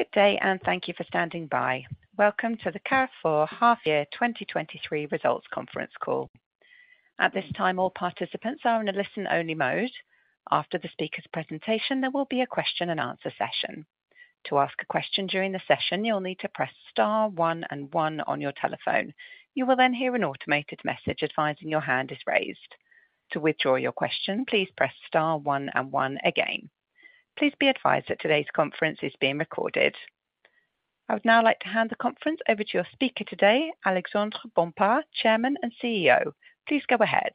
Good day, thank you for standing by. Welcome to the Carrefour Half-Year 2023 Results Conference Call. At this time, all participants are in a listen-only mode. After the speaker's presentation, there will be a question and answer session. To ask a question during the session, you'll need to press star one and one on your telephone. You will then hear an automated message advising your hand is raised. To withdraw your question, please press star one and one again. Please be advised that today's conference is being recorded. I would now like to hand the conference over to your speaker today, Alexandre Bompard, Chairman and CEO. Please go ahead.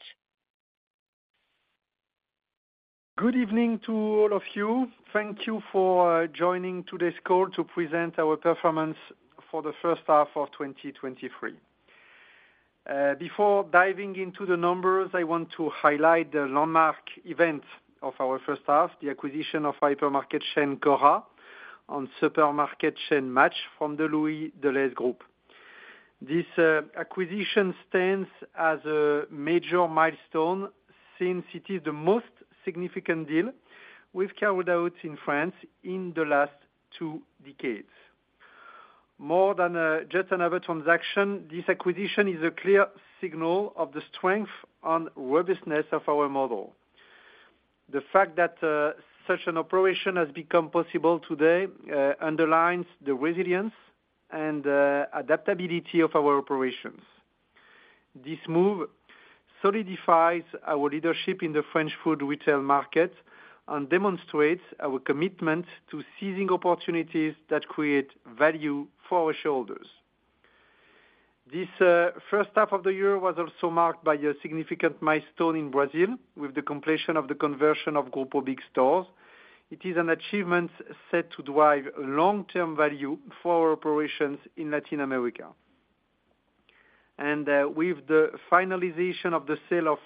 Good evening to all of you. Thank you for joining today's call to present our performance for the H1 of 2023. Before diving into the numbers, I want to highlight the landmark event of our H1, the acquisition of hypermarket chain, Cora, and supermarket chain Match from the Louis Delhaize Group. This acquisition stands as a major milestone since it is the most significant deal we've carried out in France in the last two decades. More than just another transaction, this acquisition is a clear signal of the strength and robustness of our model. The fact that such an operation has become possible today underlines the resilience and adaptability of our operations. This move solidifies our leadership in the French food retail market and demonstrates our commitment to seizing opportunities that create value for our shareholders. This first half of the year was also marked by a significant milestone in Brazil, with the completion of the conversion of Grupo BIG stores. It is an achievement set to drive long-term value for our operations in Latin America. With the finalization of the sale of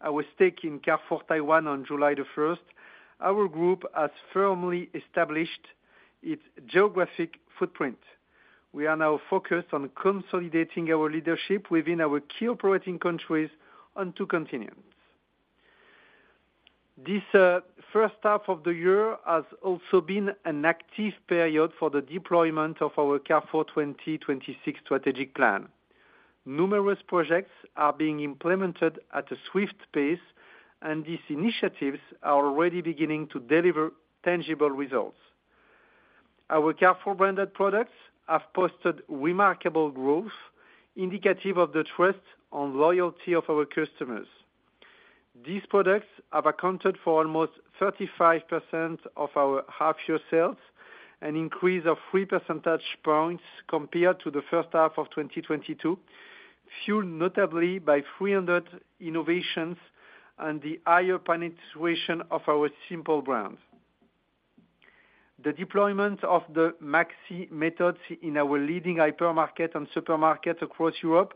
our stake in Carrefour Taiwan on 1 July, our group has firmly established its geographic footprint. We are now focused on consolidating our leadership within our key operating countries on two continents. This first half of the year has also been an active period for the deployment of our Carrefour 2026 strategic plan. Numerous projects are being implemented at a swift pace, these initiatives are already beginning to deliver tangible results. Our Carrefour branded products have posted remarkable growth, indicative of the trust and loyalty of our customers. These products have accounted for almost 35% of our half-year sales, an increase of 3% points compared to the first half of 2022, fueled notably by 300 innovations and the higher penetration of our Simpl brands. The deployment of the Maxi methods in our leading hypermarket and supermarkets across Europe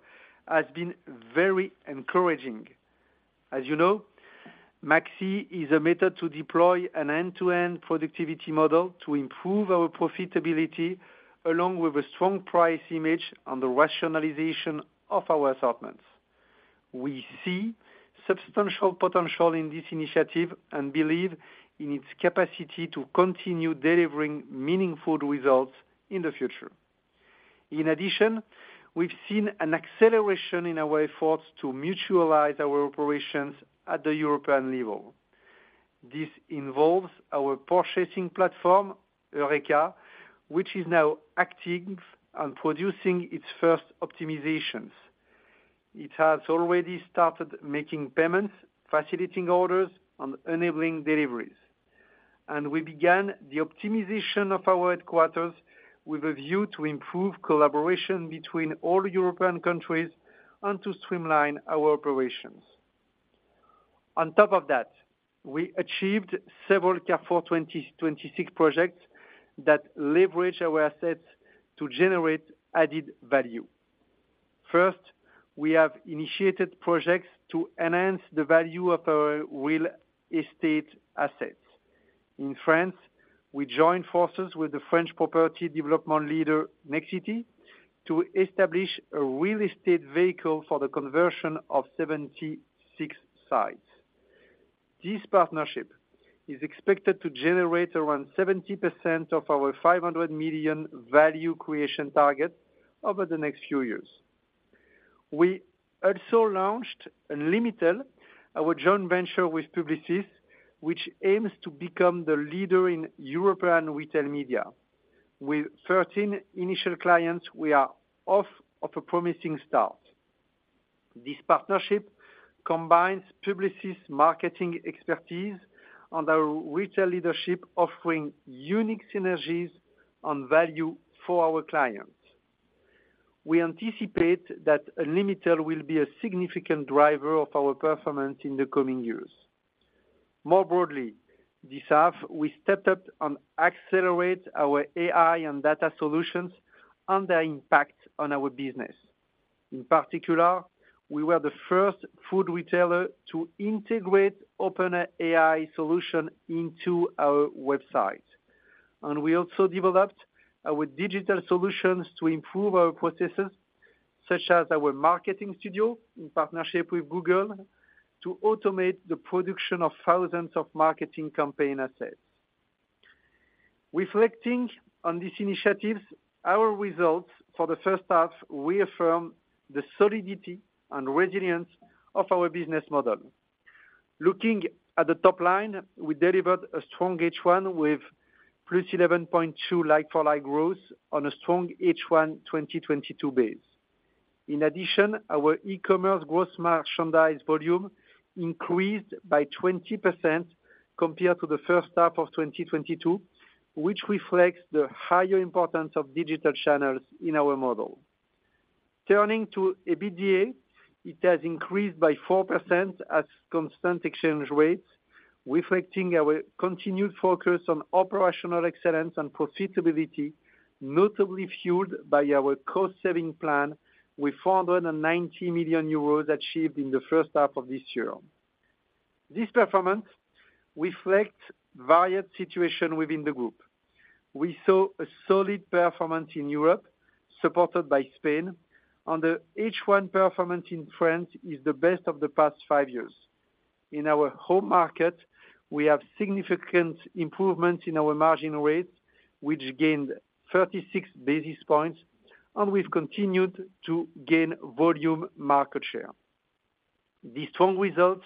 has been very encouraging. As you know, Maxi is a method to deploy an end-to-end productivity model to improve our profitability, along with a strong price image on the rationalization of our assortments. We see substantial potential in this initiative and believe in its capacity to continue delivering meaningful results in the future. In addition, we've seen an acceleration in our efforts to mutualize our operations at the European level. This involves our purchasing platform, Eureca, which is now acting and producing its first optimizations. It has already started making payments, facilitating orders, and enabling deliveries. We began the optimization of our headquarters with a view to improve collaboration between all European countries and to streamline our operations. On top of that, we achieved several Carrefour 2026 projects that leverage our assets to generate added value. First, we have initiated projects to enhance the value of our real estate assets. In France, we joined forces with the French property development leader, Nexity, to establish a real estate vehicle for the conversion of 76 sites. This partnership is expected to generate around 70% of our 500 million value creation target over the next few years. We also launched Unlimitail, our joint venture with Publicis, which aims to become the leader in European retail media. With 13 initial clients, we are off a promising start. This partnership combines Publicis' marketing expertise and our retail leadership, offering unique synergies and value for our clients. We anticipate that Unlimitail will be a significant driver of our performance in the coming years. More broadly, this half, we stepped up and accelerate our AI and data solutions and their impact on our business. In particular, we were the first food retailer to integrate OpenAI solution into our website, and we also developed our digital solutions to improve our processes, such as our marketing studio in partnership with Google, to automate the production of thousands of marketing campaign assets. Reflecting on these initiatives, our results for the first half reaffirm the solidity and resilience of our business model. Looking at the top line, we delivered a strong H1 with +11.2% like-for-like growth on a strong H1 2022 base. In addition, our e-commerce gross merchandise volume increased by 20% compared to the first half of 2022, which reflects the higher importance of digital channels in our model. Turning to EBITDA, it has increased by 4% at constant exchange rates, reflecting our continued focus on operational excellence and profitability, notably fueled by our cost saving plan, with 490 million euros achieved in the first half of this year. This performance reflect varied situation within the group. We saw a solid performance in Europe, supported by Spain, and the H1 performance in France is the best of the past five years. In our home market, we have significant improvements in our margin rate, which gained 36 basis points, and we've continued to gain volume market share. These strong results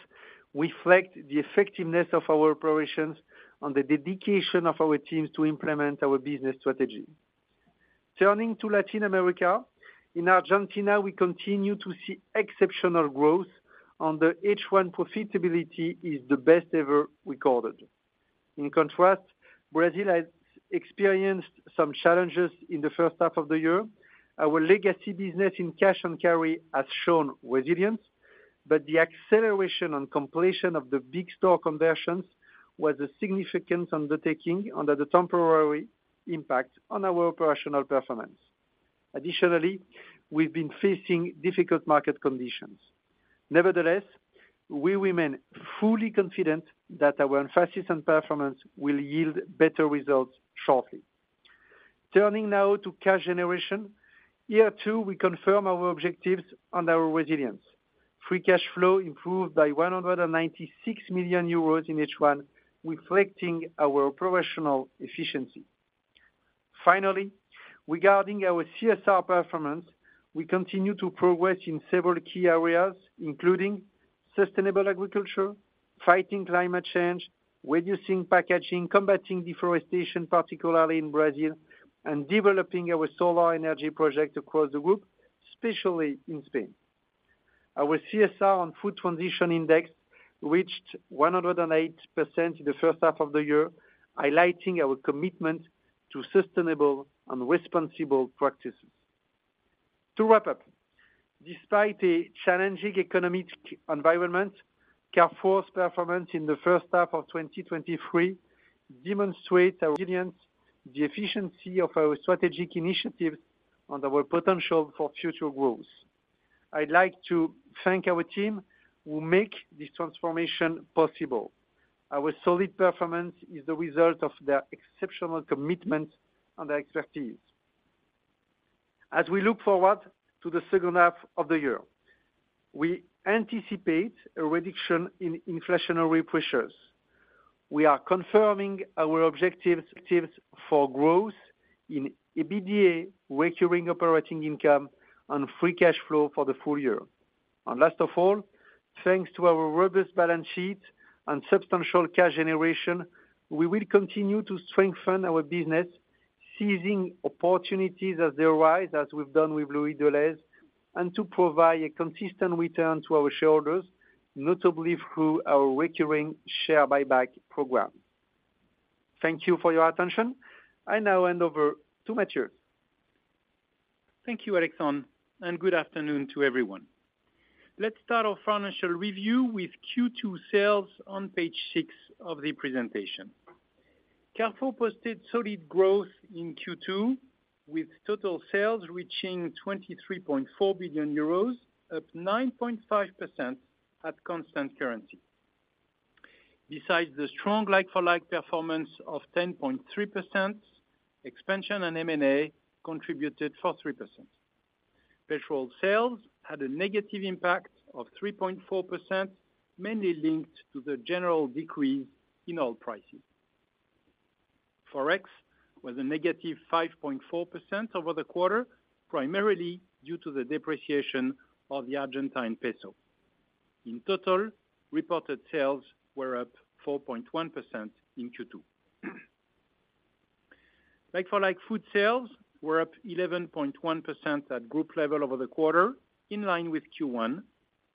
reflect the effectiveness of our operations and the dedication of our teams to implement our business strategy. Turning to Latin America. In Argentina, we continue to see exceptional growth, and the H1 profitability is the best ever recorded. In contrast, Brazil has experienced some challenges in the H1 of the year. Our legacy business in cash and carry has shown resilience, but the acceleration and completion of the big store conversions was a significant undertaking under the temporary impact on our operational performance. We've been facing difficult market conditions. We remain fully confident that our emphasis on performance will yield better results shortly. Turning now to cash generation. Here, too, we confirm our objectives and our resilience. Free cash flow improved by 196 million euros in H1, reflecting our operational efficiency. Finally, regarding our CSR performance, we continue to progress in several key areas, including sustainable agriculture, fighting climate change, reducing packaging, combating deforestation, particularly in Brazil, and developing our solar energy project across the group, especially in Spain. Our CSR on Food Transition Index reached 108% in the H1 of the year, highlighting our commitment to sustainable and responsible practices. To wrap up, despite a challenging economic environment, Carrefour's performance in the H2 of 2023 demonstrates our resilience, the efficiency of our strategic initiatives, and our potential for future growth. I'd like to thank our team who make this transformation possible. Our solid performance is the result of their exceptional commitment and their expertise. As we look forward to the H2 of the year, we anticipate a reduction in inflationary pressures. We are confirming our objectives for growth in EBITDA, recurring operating income, and free cash flow for the full year. Last of all, thanks to our robust balance sheet and substantial cash generation, we will continue to strengthen our business, seizing opportunities as they arise, as we've done with Louis Delhaize, and to provide a consistent return to our shareholders, notably through our recurring share buyback program. Thank you for your attention. I now hand over to Matthieu. Thank you, Alexandre, and good afternoon to everyone. Let's start our financial review with Q2 sales on page 6 of the presentation. Carrefour posted solid growth in Q2, with total sales reaching 23.4 billion euros, up 9.5% at constant currency. Besides the strong like-for-like performance of 10.3%, expansion and M&A contributed for 3%. Petrol sales had a negative impact of 3.4%, mainly linked to the general decrease in oil pricing. ForEx was a negative 5.4% over the quarter, primarily due to the depreciation of the Argentine peso. In total, reported sales were up 4.1% in Q2. Like-for-like food sales were up 11.1% at group level over the quarter, in line with Q1,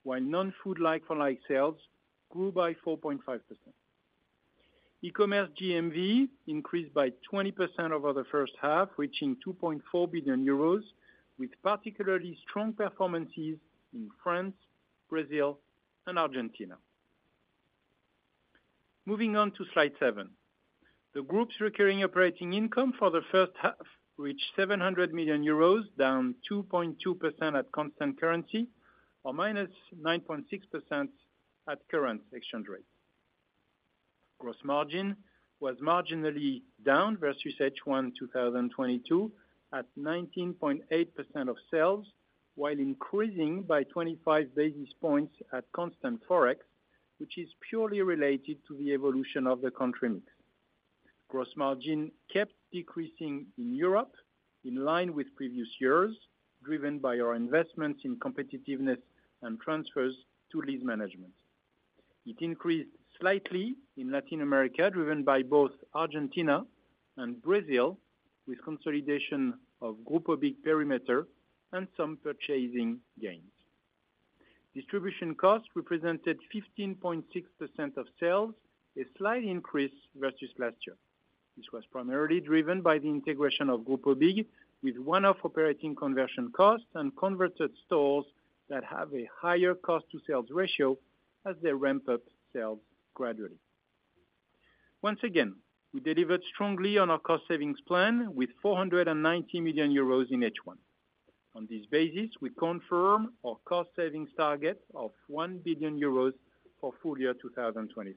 while non-food like-for-like sales grew by 4.5%. E-commerce GMV increased by 20% over the H1, reaching 2.4 billion euros, with particularly strong performances in France, Brazil, and Argentina. Moving on to Slide 7. The group's recurring operating income for the H1 reached 700 million euros, down 2.2% at constant currency, or -9.6% at current exchange rate. Gross margin was marginally down versus H1 2022, at 19.8% of sales, while increasing by 25 basis points at constant ForEx, which is purely related to the evolution of the country mix. Gross margin kept decreasing in Europe, in line with previous years, driven by our investments in competitiveness and transfers to lease management. It increased slightly in Latin America, driven by both Argentina and Brazil, with consolidation of Grupo BIG perimeter and some purchasing gains. Distribution costs represented 15.6% of sales, a slight increase versus last year. This was primarily driven by the integration of Grupo BIG, with one-off operating conversion costs and converted stores that have a higher cost to sales ratio as they ramp up sales gradually. Once again, we delivered strongly on our cost savings plan with 490 million euros in H1. On this basis, we confirm our cost savings target of 1 billion euros for full year 2023.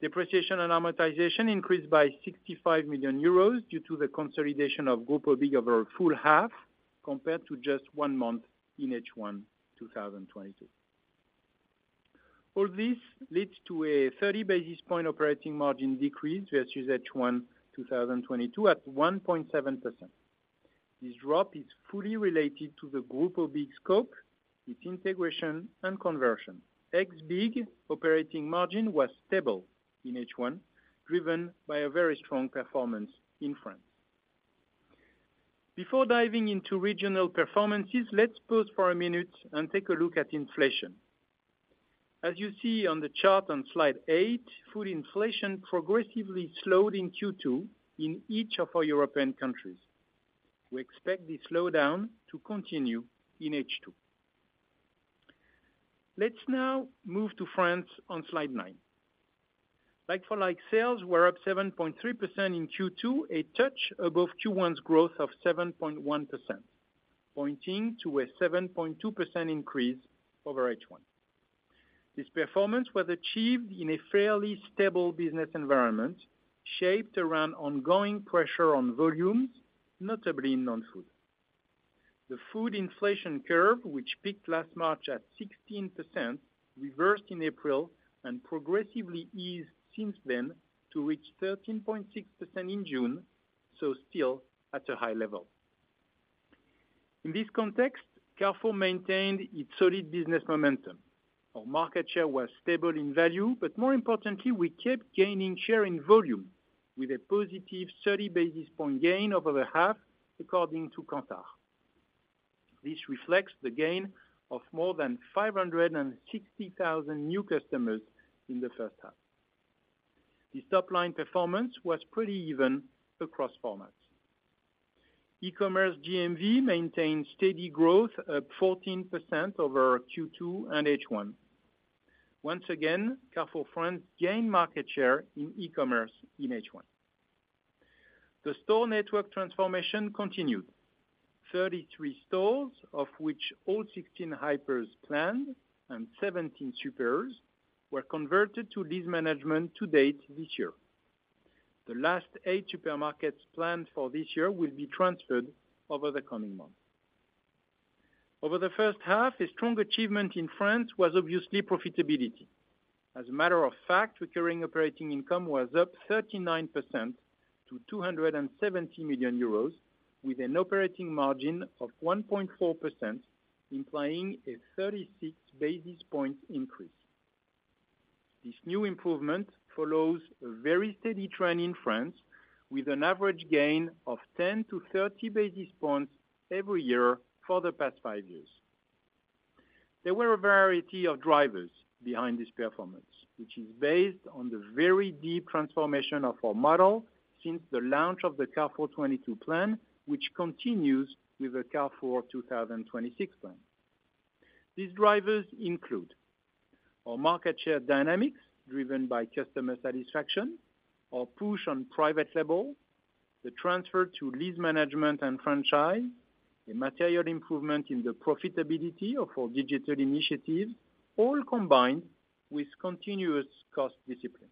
Depreciation and amortization increased by 65 million euros due to the consolidation of Grupo BIG over a full half, compared to just 1 month in H1 2022. All this leads to a 30 basis point operating margin decrease versus H1 2022, at 1.7%. This drop is fully related to the Grupo BIG scope, its integration, and conversion. Ex BIG operating margin was stable in H1, driven by a very strong performance in France. Before diving into regional performances, let's pause for a minute and take a look at inflation. As you see on the chart on slide 8, food inflation progressively slowed in Q2 in each of our European countries. We expect this slowdown to continue in H2. Let's now move to France on slide 9. Like-for-like sales were up 7.3% in Q2, a touch above Q1's growth of 7.1%, pointing to a 7.2% increase over H1. This performance was achieved in a fairly stable business environment, shaped around ongoing pressure on volumes, notably in non-food. The food inflation curve, which peaked last March at 16%, reversed in April and progressively eased since then to reach 13.6% in June, so still at a high level. In this context, Carrefour maintained its solid business momentum. Our market share was stable in value, but more importantly, we kept gaining share in volume with a positive 30 basis point gain over half, according to Kantar. This reflects the gain of more than 560,000 new customers in the H1. This top line performance was pretty even across formats. e-commerce GMV maintained steady growth at 14% over Q2 and H1. Once again, Carrefour France gained market share in e-commerce in H1. The store network transformation continued. 33 stores, of which all 16 hypers planned and 17 supers, were converted to lease management to date this year. The last eight supermarkets planned for this year will be transferred over the coming months. Over the H1, a strong achievement in France was obviously profitability. As a matter of fact, recurring operating income was up 39% to 270 million euros, with an operating margin of 1.4%, implying a 36 basis point increase. This new improvement follows a very steady trend in France, with an average gain of 10 - 30 basis points every year for the past five years. There were a variety of drivers behind this performance, which is based on the very deep transformation of our model since the launch of the Carrefour 2022 plan, which continues with the Carrefour 2026 plan. These drivers include: our market share dynamics, driven by customer satisfaction, our push on private label, the transfer to lease management and franchise, a material improvement in the profitability of our digital initiatives, all combined with continuous cost discipline.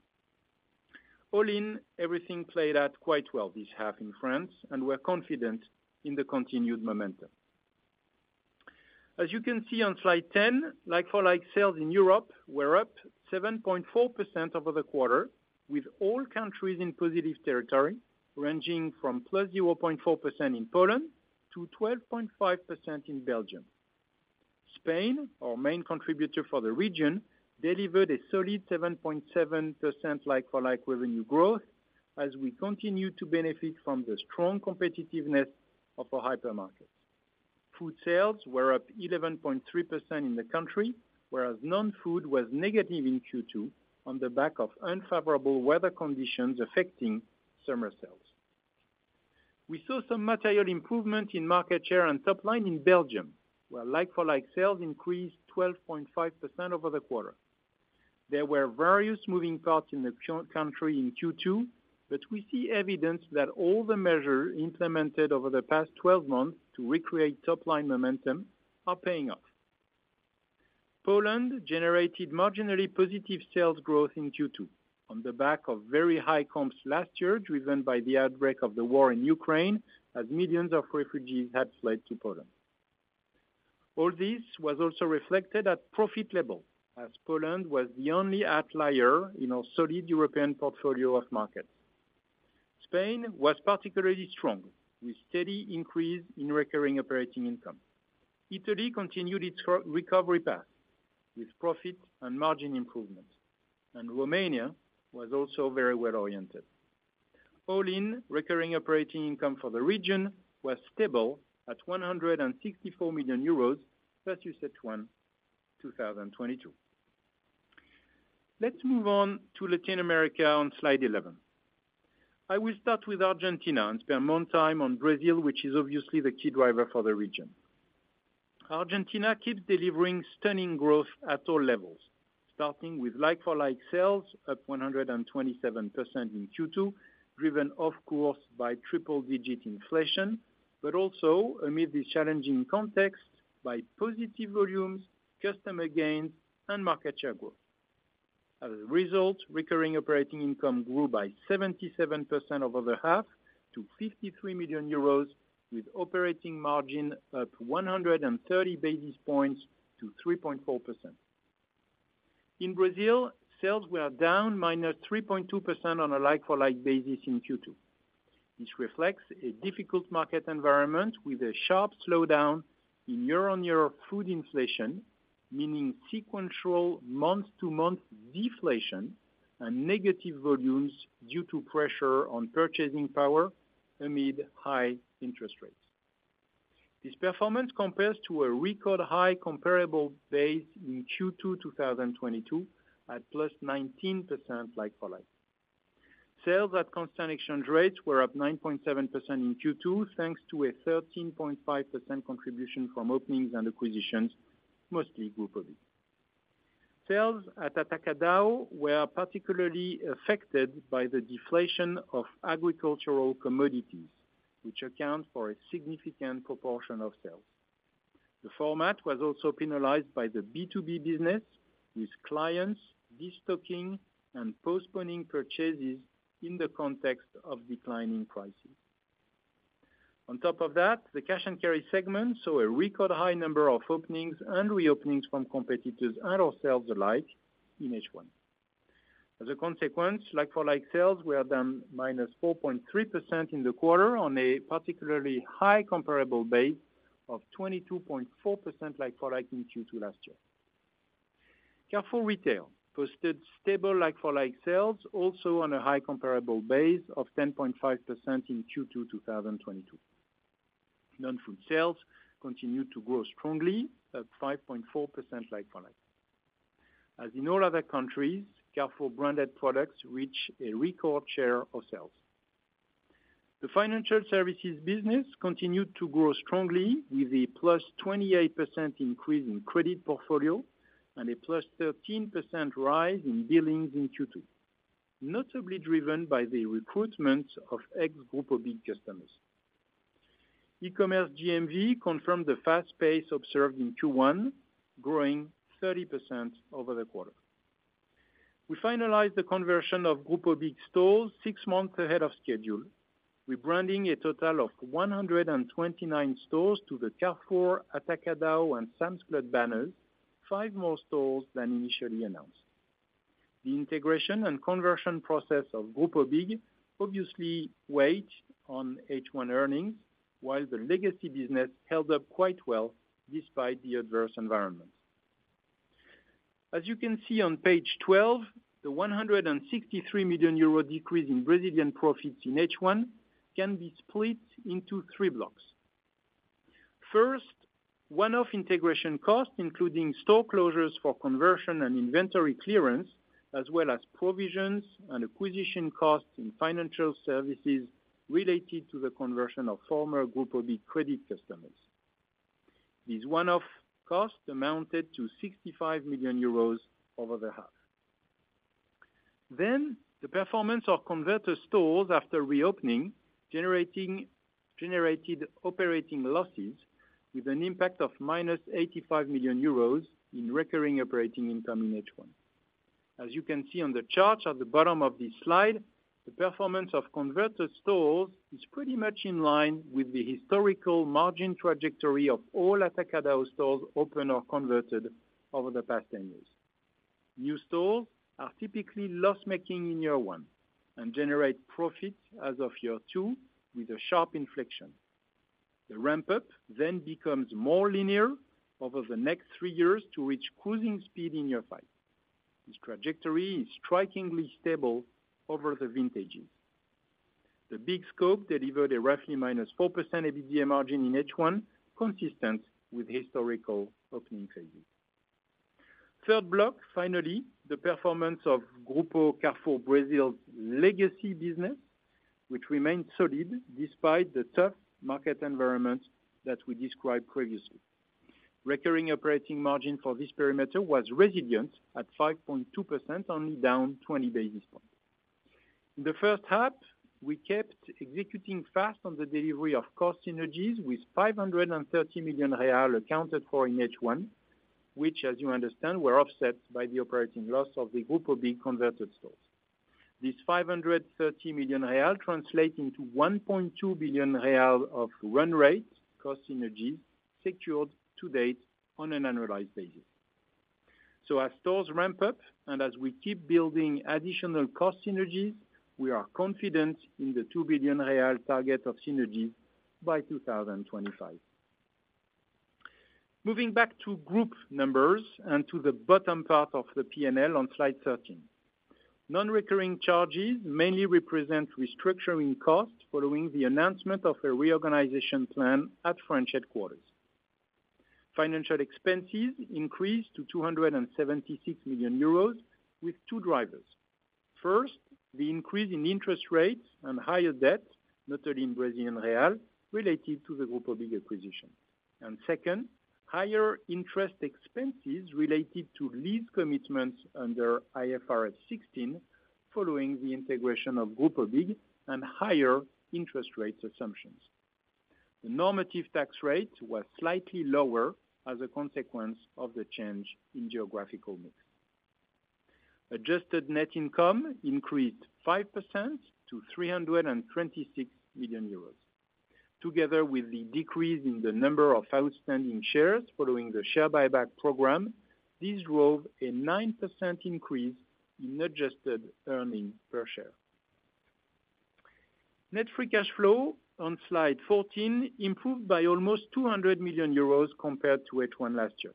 All in, everything played out quite well this half in France, and we're confident in the continued momentum. As you can see on slide 10, like-for-like sales in Europe were up 7.4% over the quarter, with all countries in positive territory, ranging from +0.4% in Poland to 12.5% in Belgium. Spain, our main contributor for the region, delivered a solid 7.7% like-for-like revenue growth as we continue to benefit from the strong competitiveness of our hypermarket. Food sales were up 11.3% in the country, whereas non-food was negative in Q2 on the back of unfavorable weather conditions affecting summer sales. We saw some material improvement in market share and top line in Belgium, where like-for-like sales increased 12.5% over the quarter. There were various moving parts in the country in Q2, but we see evidence that all the measures implemented over the past 12 months to recreate top-line momentum-... are paying off. Poland generated marginally positive sales growth in Q2, on the back of very high comps last year, driven by the outbreak of the war in Ukraine, as millions of refugees had fled to Poland. All this was also reflected at profit level, as Poland was the only outlier in our solid European portfolio of markets. Spain was particularly strong, with steady increase in recurring operating income. Italy continued its recovery path with profit and margin improvement. Romania was also very well oriented. All in, recurring operating income for the region was stable at 164 million euros, versus H1 2022. Let's move on to Latin America on slide 11. I will start with Argentina and spend more time on Brazil, which is obviously the key driver for the region. Argentina keeps delivering stunning growth at all levels, starting with like-for-like sales, up 127% in Q2, driven of course, by triple digit inflation, but also amid this challenging context, by positive volumes, customer gains, and market share growth. As a result, recurring operating income grew by 77% over the half to 53 million euros, with operating margin up 130 basis points to 3.4%. In Brazil, sales were down -3.2% on a like-for-like basis in Q2. This reflects a difficult market environment, with a sharp slowdown in year-on-year food inflation, meaning sequential month-to-month deflation and negative volumes due to pressure on purchasing power amid high interest rates. This performance compares to a record high comparable base in Q2 2022, at +19% like-for-like. Sales at constant exchange rates were up 9.7% in Q2, thanks to a 13.5% contribution from openings and acquisitions, mostly Grupo BIG. Sales at Atacadão were particularly affected by the deflation of agricultural commodities, which account for a significant proportion of sales. The format was also penalized by the B2B business, with clients destocking and postponing purchases in the context of declining prices. The cash-and-carry segment saw a record high number of openings and reopenings from competitors and ourselves alike in H1. Like-for-like sales were down -4.3% in the quarter, on a particularly high comparable base of 22.4% like-for-like in Q2 last year. Carrefour Retail posted stable like-for-like sales, also on a high comparable base of 10.5% in Q2 2022. Non-food sales continued to grow strongly at 5.4% like-for-like. In all other countries, Carrefour branded products reach a record share of sales. The financial services business continued to grow strongly, with a +28% increase in credit portfolio and a +13% rise in billings in Q2, notably driven by the recruitment of ex-Grupo BIG customers. E-commerce GMV confirmed the fast pace observed in Q1, growing 30% over the quarter. We finalized the conversion of Grupo BIG stores 6 months ahead of schedule, rebranding a total of 129 stores to the Carrefour, Atacadão, and Sam's Club banners, 5 more stores than initially announced. The integration and conversion process of Grupo BIG obviously weighed on H1 earnings, while the legacy business held up quite well despite the adverse environment. As you can see on page 12, the 163 million euro decrease in Brazilian profits in H1, can be split into three blocks. First, one-off integration costs, including store closures for conversion and inventory clearance, as well as provisions and acquisition costs in financial services related to the conversion of former Grupo BIG credit customers. These one-off costs amounted to 65 million euros over the half. The performance of converter stores after reopening generated operating losses with an impact of minus 85 million euros in recurring operating income in H1. As you can see on the chart at the bottom of this slide, the performance of converted stores is pretty much in line with the historical margin trajectory of all Atacadão stores open or converted over the past 10 years. New stores are typically loss-making in year 1 and generate profit as of year two, with a sharp inflection. The ramp-up then becomes more linear over the next three years to reach cruising speed in year 5. This trajectory is strikingly stable over the vintages. The big scope delivered a roughly minus 4% EBITDA margin in H1, consistent with historical opening trends. Third block, finally, the performance of Grupo Carrefour Brasil's legacy business, which remains solid despite the tough market environment that we described previously. Recurring operating margin for this perimeter was resilient at 5.2%, only down 20 basis points. In the H1, we kept executing fast on the delivery of cost synergies with 530 million real accounted for in H1, which, as you understand, were offset by the operating loss of the Grupo BIG converted stores. 530 million real translate into 1.2 billion real of run rate cost synergies secured to date on an annualized basis. As stores ramp up and as we keep building additional cost synergies, we are confident in the 2 billion real target of synergy by 2025. Moving back to group numbers and to the bottom part of the P&L on slide 13. Non-recurring charges mainly represent restructuring costs following the announcement of a reorganization plan at French headquarters. Financial expenses increased to 276 million euros, with two drivers. First, the increase in interest rates and higher debt, notably in Brazilian real, related to the Grupo BIG acquisition. Second, higher interest expenses related to lease commitments under IFRS 16, following the integration of Grupo BIG and higher interest rates assumptions. The normative tax rate was slightly lower as a consequence of the change in geographical mix. Adjusted net income increased 5% to 326 million euros. Together with the decrease in the number of outstanding shares following the share buyback program, this drove a 9% increase in adjusted earnings per share. Net free cash flow on slide 14 improved by almost 200 million euros compared to H1 last year.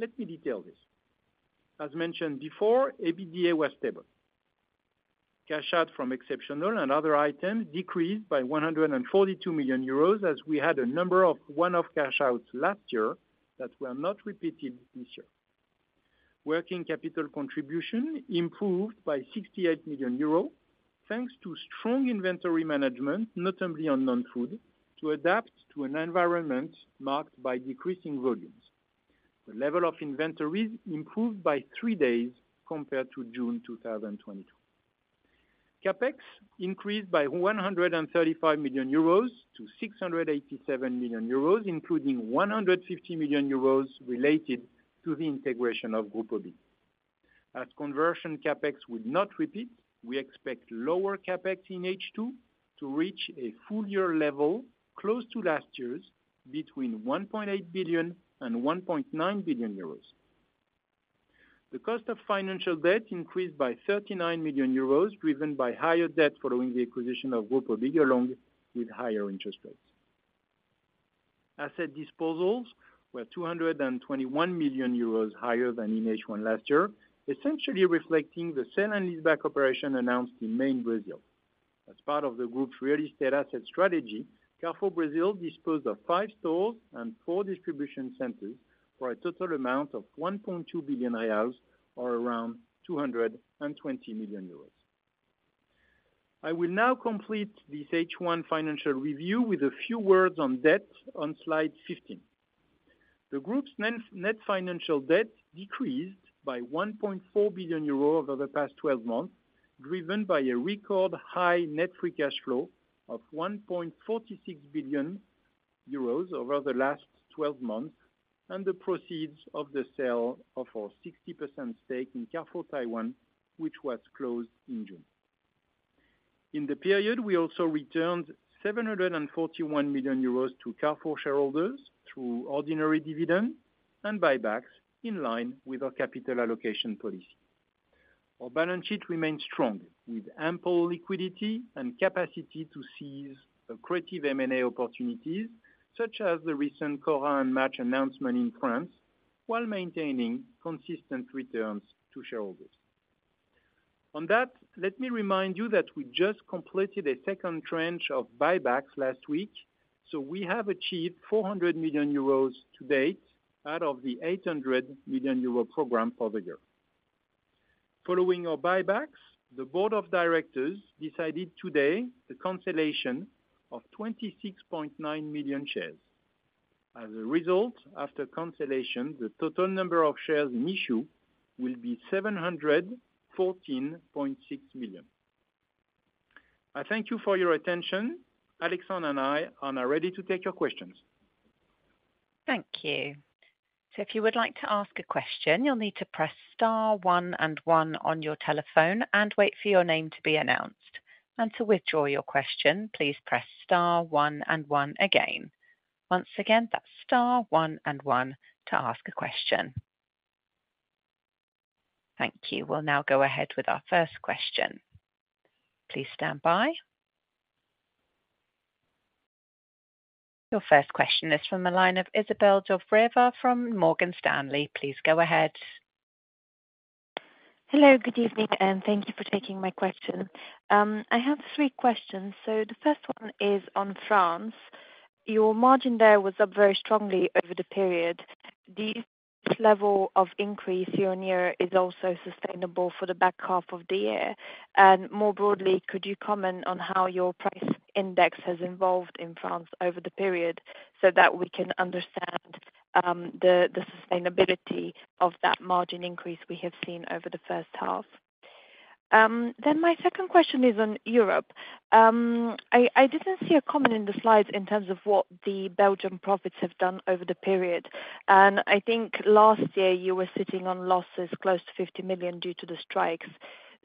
Let me detail this. As mentioned before, EBITDA was stable. Cash out from exceptional and other items decreased by 142 million euros, as we had a number of one-off cash outs last year that were not repeated this year. Working capital contribution improved by 68 million euros, thanks to strong inventory management, notably on non-food, to adapt to an environment marked by decreasing volumes. The level of inventories improved by three days compared to June 2022. CapEx increased by 135 million euros to 687 million euros, including 150 million euros related to the integration of Grupo BIG. As conversion CapEx would not repeat, we expect lower CapEx in H2 to reach a full year level close to last year's, between 1.8 billion and 1.9 billion euros. The cost of financial debt increased by 39 million euros, driven by higher debt following the acquisition of Grupo BIG, along with higher interest rates. Asset disposals were 221 million euros higher than in H1 last year, essentially reflecting the sale and leaseback operation announced in May in Brazil. As part of the group's real estate asset strategy, Carrefour Brazil disposed of five stores and four distribution centers for a total amount of 1.2 billion reais, or around 220 million euros. I will now complete this H1 financial review with a few words on debt on slide 15. The group's net financial debt decreased by 1.4 billion euro over the past 12 months, driven by a record high net free cash flow of 1.46 billion euros over the last 12 months, and the proceeds of the sale of our 60% stake in Carrefour Taiwan, which was closed in June. In the period, we also returned 741 million euros to Carrefour shareholders through ordinary dividend and buybacks, in line with our capital allocation policy. Our balance sheet remains strong, with ample liquidity and capacity to seize accretive M&A opportunities, such as the recent Cora and Match announcement in France, while maintaining consistent returns to shareholders. On that, let me remind you that we just completed a second tranche of buybacks last week. We have achieved 400 million euros to date, out of the 800 million euro program for the year. Following our buybacks, the board of directors decided today the consolidation of 26.9 million shares. As a result, after consolidation, the total number of shares in issue will be 714.6 million. I thank you for your attention. Alexandre and I are now ready to take your questions. Thank you. If you would like to ask a question, you'll need to press star one and one on your telephone and wait for your name to be announced. To withdraw your question, please press star one and one again. Once again, that's star one and one to ask a question. Thank you. We'll now go ahead with our first question. Please stand by. Your first question is from the line of Isabelle Dubreuil from Morgan Stanley. Please go ahead. Hello, good evening, and thank you for taking my question. I have three questions. The first one is on France. Your margin there was up very strongly over the period. Do you think this level of increase year-on-year is also sustainable for the back half of the year? More broadly, could you comment on how your price index has evolved in France over the period, so that we can understand the sustainability of that margin increase we have seen over the H1? My second question is on Europe. I didn't see a comment in the slides in terms of what the Belgium profits have done over the period. I think last year you were sitting on losses close to 50 million due to the strikes.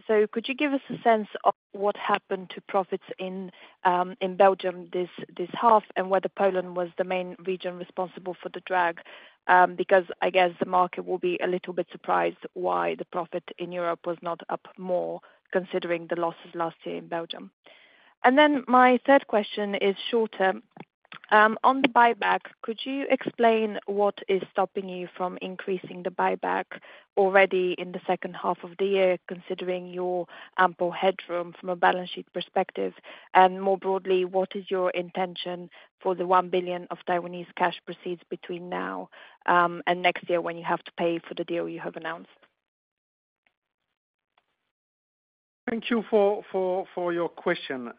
Could you give us a sense of what happened to profits in Belgium this half, and whether Poland was the main region responsible for the drag? I guess the market will be a little bit surprised why the profit in Europe was not up more considering the losses last year in Belgium. My third question is shorter. On the buyback, could you explain what is stopping you from increasing the buyback already in the second half of the year, considering your ample headroom from a balance sheet perspective? More broadly, what is your intention for the 1 billion of Taiwanese cash proceeds between now and next year when you have to pay for the deal you have announced? Thank you for your question.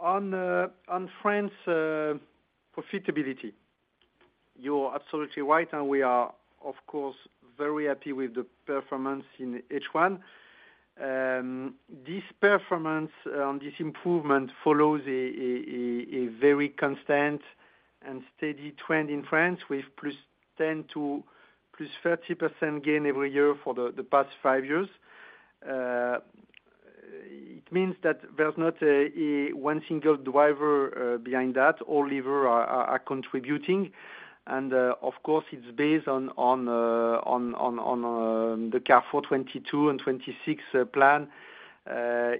On France profitability, you're absolutely right. We are, of course, very happy with the performance in H1. This performance, this improvement follows a very constant and steady trend in France with +10% to +30% gain every year for the past five years. It means that there's not a 1 single driver behind that, all lever are contributing. Of course, it's based on the Carrefour 2022 and 2026 plan,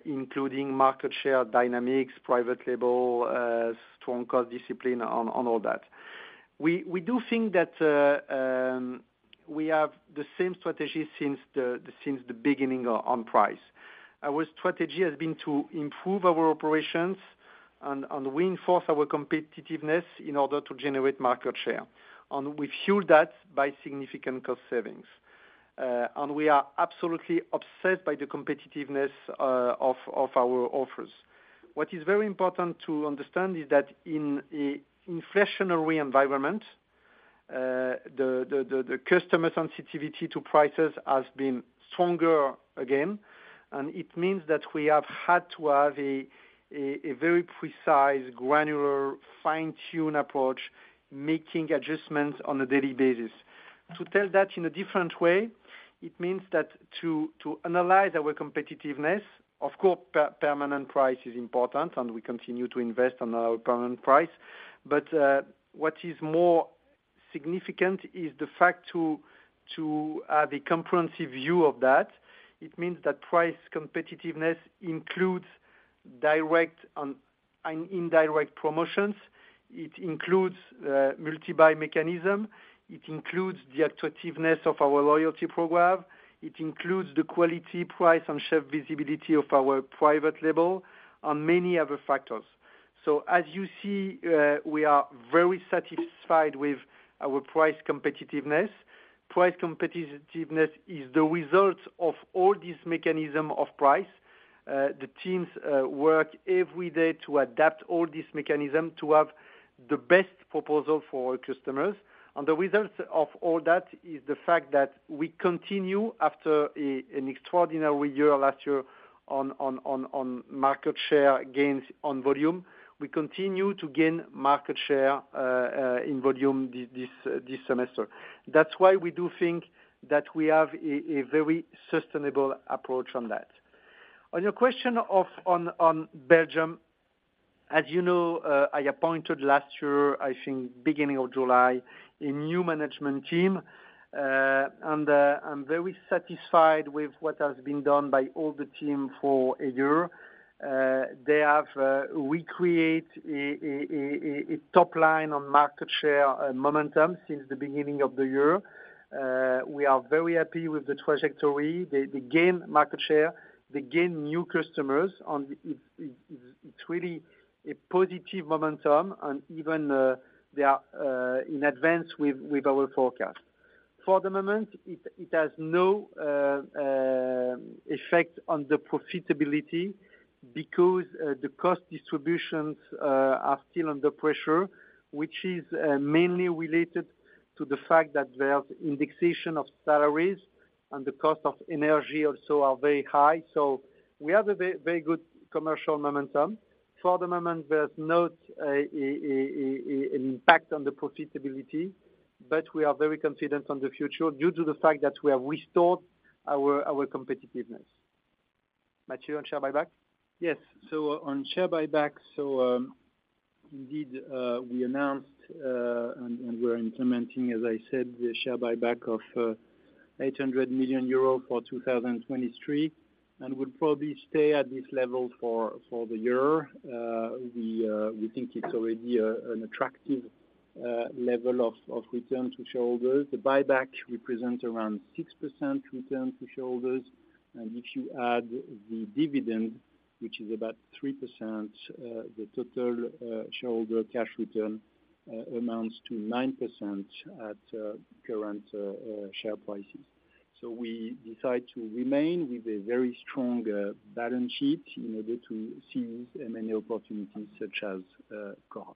including market share dynamics, private label, strong cost discipline on all that. We do think that we have the same strategy since the beginning on price. Our strategy has been to improve our operations and reinforce our competitiveness in order to generate market share. We fuel that by significant cost savings. We are absolutely obsessed by the competitiveness of our offers. What is very important to understand is that in an inflationary environment, the customer sensitivity to prices has been stronger again, and it means that we have had to have a very precise, granular, fine-tune approach, making adjustments on a daily basis. To tell that in a different way, it means that to analyze our competitiveness, of course, permanent price is important, and we continue to invest on our permanent price. What is more significant is the fact to the comprehensive view of that, it means that price competitiveness includes direct and indirect promotions. It includes multi-buy mechanism. It includes the attractiveness of our loyalty program. It includes the quality, price, and shelf visibility of our private label, and many other factors. As you see, we are very satisfied with our price competitiveness. Price competitiveness is the result of all this mechanism of price. The teams work every day to adapt all this mechanism to have the best proposal for our customers. The results of all that, is the fact that we continue after an extraordinary year, last year on market share gains on volume. We continue to gain market share in volume this semester. That's why we do think that we have a very sustainable approach on that. On your question of, on Belgium, as you know, I appointed last year, I think beginning of July, a new management team. I'm very satisfied with what has been done by all the team for a year. They have recreate a top line on market share momentum since the beginning of the year. We are very happy with the trajectory. They gain market share, they gain new customers, and it's really a positive momentum and even they are in advance with our forecast. For the moment, it has no effect on the profitability because the cost distributions are still under pressure, which is mainly related to the fact that there's indexation of salaries and the cost of energy also are very high. We have a very good commercial momentum. For the moment, there's not an impact on the profitability, but we are very confident on the future due to the fact that we have restored our competitiveness. Matthieu, on share buyback? On share buyback, indeed, we announced and we're implementing, as I said, the share buyback of 800 million euro for 2023, and would probably stay at this level for the year. We think it's already an attractive level of return to shareholders. The buyback represent around 6% return to shareholders, and if you add the dividend, which is about 3%, the total shareholder cash return amounts to 9% at current share prices. ...we decide to remain with a very strong balance sheet in order to seize M&A opportunities such as Carrefour.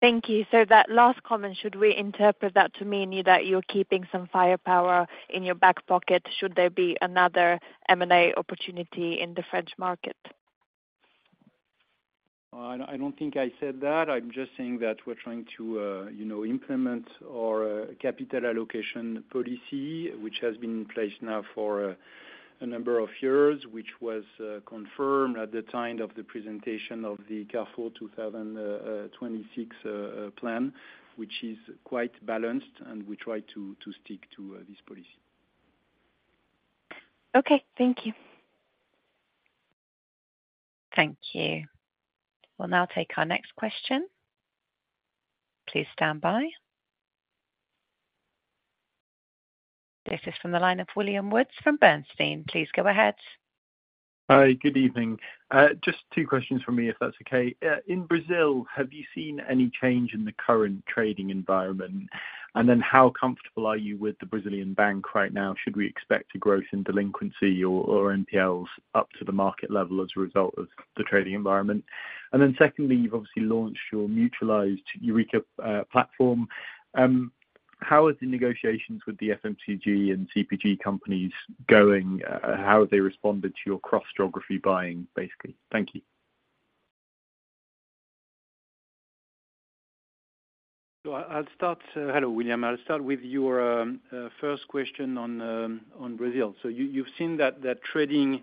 Thank you. That last comment, should we interpret that to mean that you're keeping some firepower in your back pocket, should there be another M&A opportunity in the French market? I don't think I said that. I'm just saying that we're trying to, you know, implement our capital allocation policy, which has been in place now for a number of years, which was confirmed at the time of the presentation of the Carrefour 2026 plan, which is quite balanced, and we try to stick to this policy. Okay, thank you. Thank you. We'll now take our next question. Please stand by. This is from the line of William Woods from Bernstein. Please go ahead. Hi, good evening. Just two questions from me, if that's okay. In Brazil, have you seen any change in the current trading environment? How comfortable are you with the Brazilian bank right now? Should we expect a growth in delinquency or NPLs up to the market level as a result of the trading environment? Secondly, you've obviously launched your mutualized Eureca platform. How is the negotiations with the FMCG and CPG companies going? How have they responded to your cross-geography buying, basically? Thank you. I'll start, hello, William. I'll start with your first question on Brazil. You've seen that trading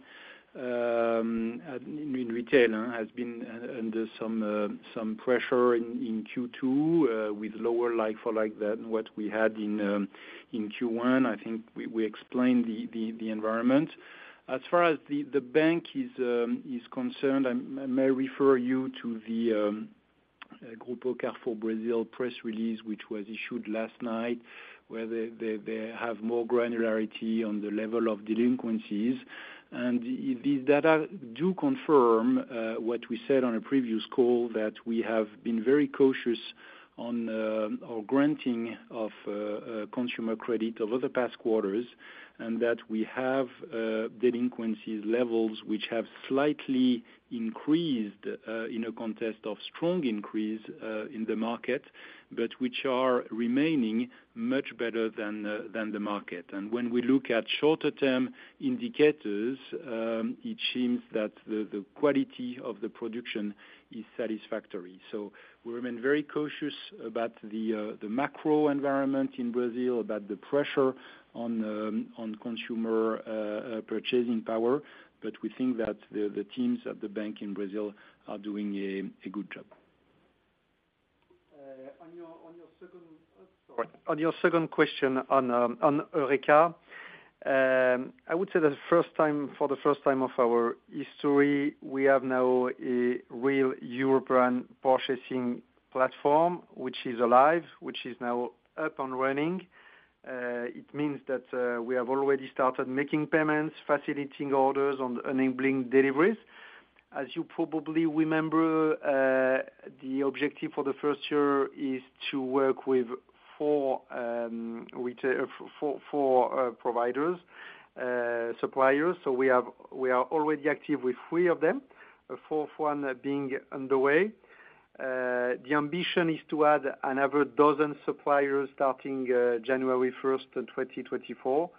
in retail has been under some pressure in Q2 with lower like-for-like than what we had in Q1. I think we explained the environment. As far as the bank is concerned, I may refer you to the Grupo Carrefour Brasil press release, which was issued last night, where they have more granularity on the level of delinquencies. These data do confirm what we said on a previous call, that we have been very cautious on our granting of consumer credit over the past quarters, and that we have delinquencies levels, which have slightly increased in a context of strong increase in the market, but which are remaining much better than the market. When we look at shorter term indicators, it seems that the quality of the production is satisfactory. We remain very cautious about the macro environment in Brazil, about the pressure on consumer purchasing power, but we think that the teams at the bank in Brazil are doing a good job. On your second question on Eureca. I would say the first time, for the first time of our history, we have now a real European purchasing platform, which is alive, which is now up and running. It means that we have already started making payments, facilitating orders, and enabling deliveries. As you probably remember, the objective for the first year is to work with four providers, suppliers. We are already active with three of them, a fourth one being underway. The ambition is to add another dozen suppliers starting 1 January, 2024.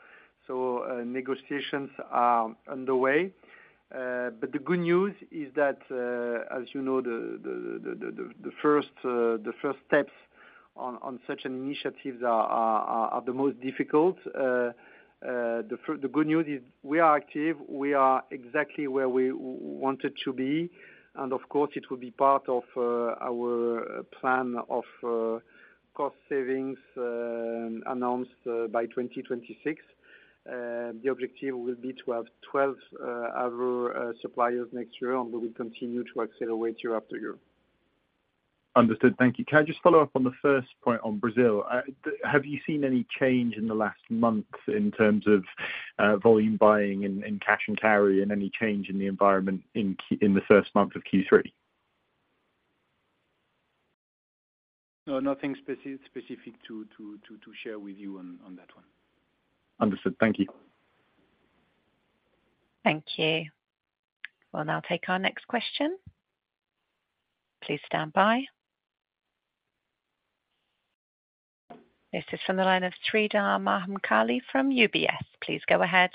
Negotiations are underway. The good news is that, as you know, the first steps on such initiatives are the most difficult. The good news is we are active. We are exactly where we wanted to be. Of course, it will be part of our plan of cost savings, announced by 2026. The objective will be to have 12 other suppliers next year. We will continue to accelerate year after year. Understood. Thank you. Can I just follow up on the first point on Brazil? Have you seen any change in the last month in terms of volume buying and cash and carry, and any change in the environment in the first month of Q3? No, nothing specific to share with you on that one. Understood. Thank you. Thank you. We'll now take our next question. Please stand by. This is from the line of Sreedhar Mahamkali from UBS. Please go ahead.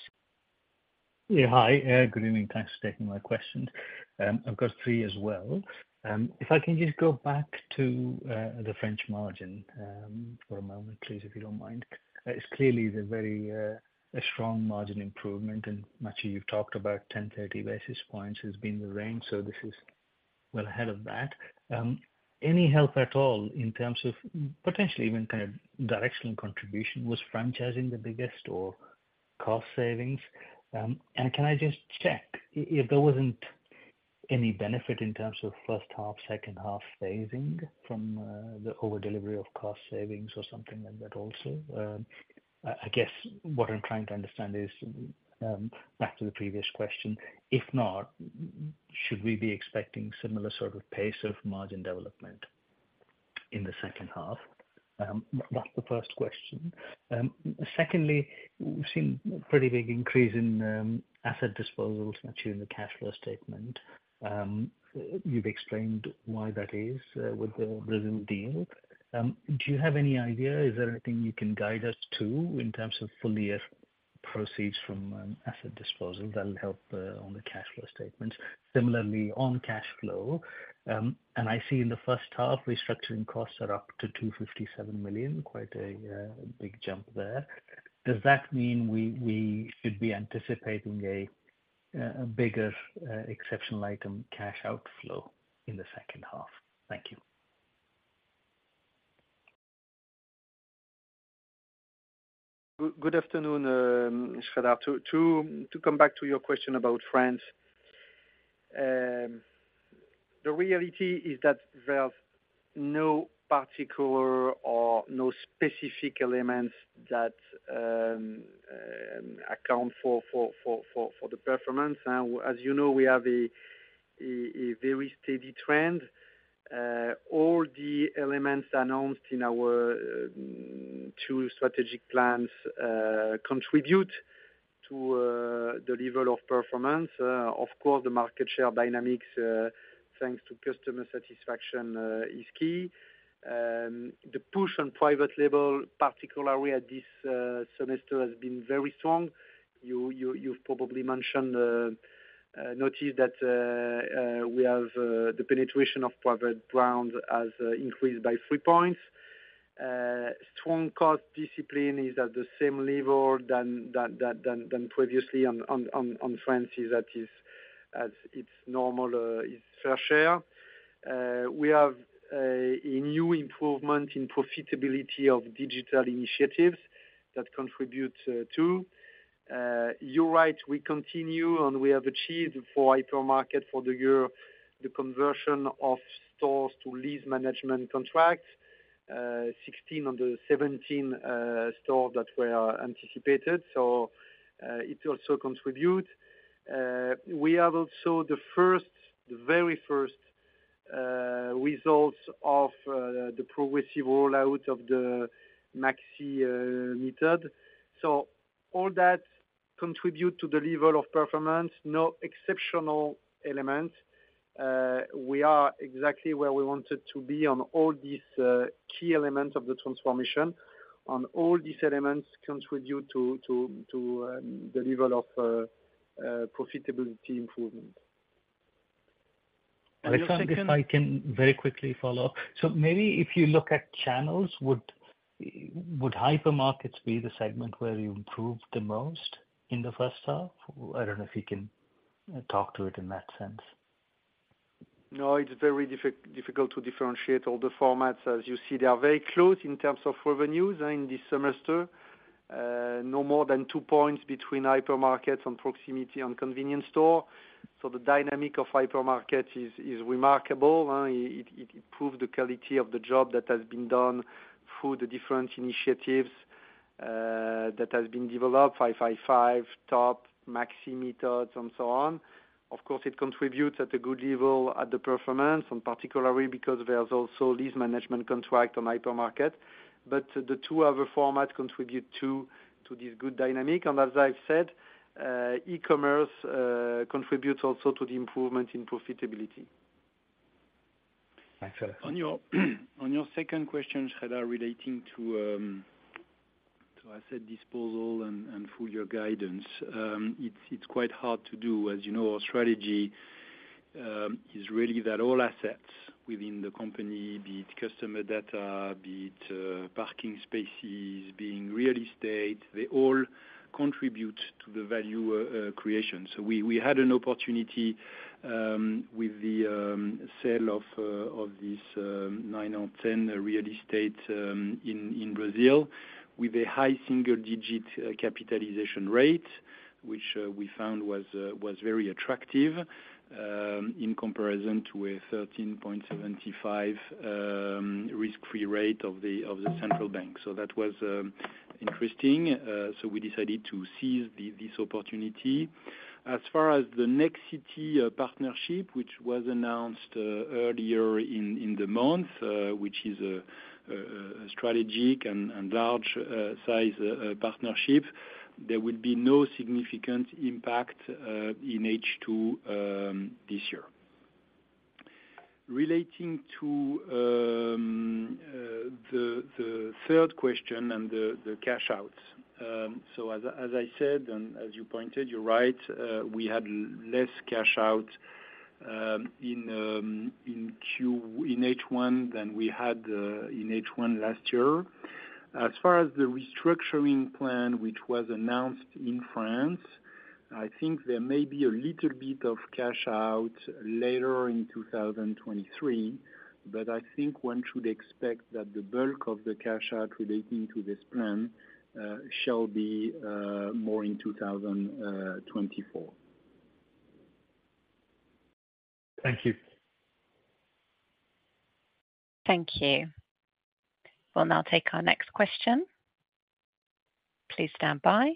Yeah, hi. Good evening. Thanks for taking my question. I've got three as well. If I can just go back to the French margin for a moment, please, if you don't mind. It's clearly the very strong margin improvement, and actually you've talked about 10, 30 basis points has been the range, so this is well ahead of that. Any help at all in terms of potentially even kind of directional contribution, was franchising the biggest or cost savings? Can I just check if there wasn't any benefit in terms of H1, H2 phasing from the over-delivery of cost savings or something like that also? I guess what I'm trying to understand is, back to the previous question, if not, should we be expecting similar sort of pace of margin development in the H2? That's the first question. Secondly, we've seen pretty big increase in asset disposals, actually, in the cash flow statement. You've explained why that is, with the Brazil deal. Do you have any idea, is there anything you can guide us to, in terms of full year proceeds from asset disposal that'll help on the cash flow statement? Similarly, on cash flow, I see in the H1, restructuring costs are up to 257 million, quite a big jump there. Does that mean we should be anticipating a bigger exceptional item cash outflow in the H2? Thank you. Good afternoon, Sreedhar. To come back to your question about France, the reality is that there's no particular or no specific elements that account for the performance. As you know, we have a very steady trend. All the elements announced in our two strategic plans contribute to the level of performance. Of course, the market share dynamics, thanks to customer satisfaction, is key. The push on private label, particularly at this semester, has been very strong. You've probably noticed that we have the penetration of private brands has increased by three points. strong cost discipline is at the same level than previously on France, as its normal fair share. We have a new improvement in profitability of digital initiatives that contribute too. You're right, we continue, we have achieved for hypermarket for the year, the conversion of stores to lease management contracts, 16 on the 17 stores that were anticipated. It also contribute. We have also the first, the very first results of the progressive rollout of the Maxi method. All that contribute to the level of performance, no exceptional element. We are exactly where we wanted to be on all these key elements of the transformation, on all these elements contribute to the level of profitability improvement. If I can very quickly follow. Maybe if you look at channels, would hypermarkets be the segment where you improved the most in the H1? I don't know if you can talk to it in that sense. No, it's very difficult to differentiate all the formats. As you see, they are very close in terms of revenues in this semester. No more than 2 points between hypermarkets and proximity and convenience store. The dynamic of hypermarket is remarkable, it improved the quality of the job that has been done through the different initiatives that has been developed, 5, 5, top, Maxi methods, and so on. Of course, it contributes at a good level at the performance, and particularly because there's also lease management contract on hypermarket. The 2 other formats contribute to this good dynamic, as I've said, e-commerce contributes also to the improvement in profitability. Thanks a lot. On your second question, Sheedhar, relating to, so I said disposal and full year guidance. It's quite hard to do. As you know, our strategy is really that all assets within the company, be it customer data, be it parking spaces, being real estate, they all contribute to the value creation. we had an opportunity with the sale of this 9 or 10 real estate in Brazil, with a high single digit capitalization rate, which we found was very attractive in comparison to a 13.75% risk-free rate of the central bank. That was interesting. we decided to seize this opportunity. As far as the Nexity partnership, which was announced earlier in the month, which is a strategic and large size partnership, there will be no significant impact in H2 this year. Relating to the third question and the cash outs. As I said, and as you pointed, you're right, we had less cash out in H1 than we had in H1 last year. As far as the restructuring plan, which was announced in France, I think there may be a little bit of cash out later in 2023, but I think one should expect that the bulk of the cash out relating to this plan shall be more in 2024. Thank you. Thank you. We'll now take our next question. Please stand by.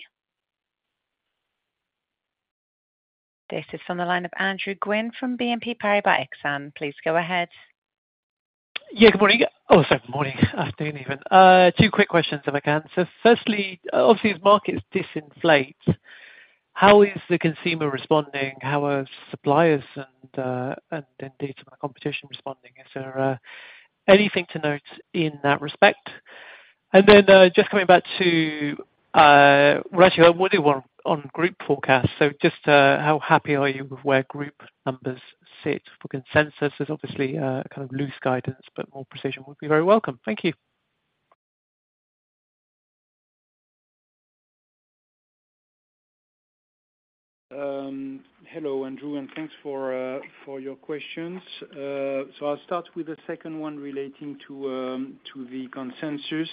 This is on the line of Andrew Gwynn from BNP Paribas Exane. Please go ahead. Yeah, good morning. Oh, sorry, good morning, afternoon, even. Two quick questions, if I can. Firstly, obviously, as markets disinflate, how is the consumer responding? How are suppliers and indeed, some of the competition responding? Is there anything to note in that respect? Then, just coming back to, actually, I wonder on group forecast. Just, how happy are you with where group numbers sit for consensus? There's obviously, kind of loose guidance, but more precision would be very welcome. Thank you. Hello, Andrew, thanks for your questions. I'll start with the second one relating to the consensus.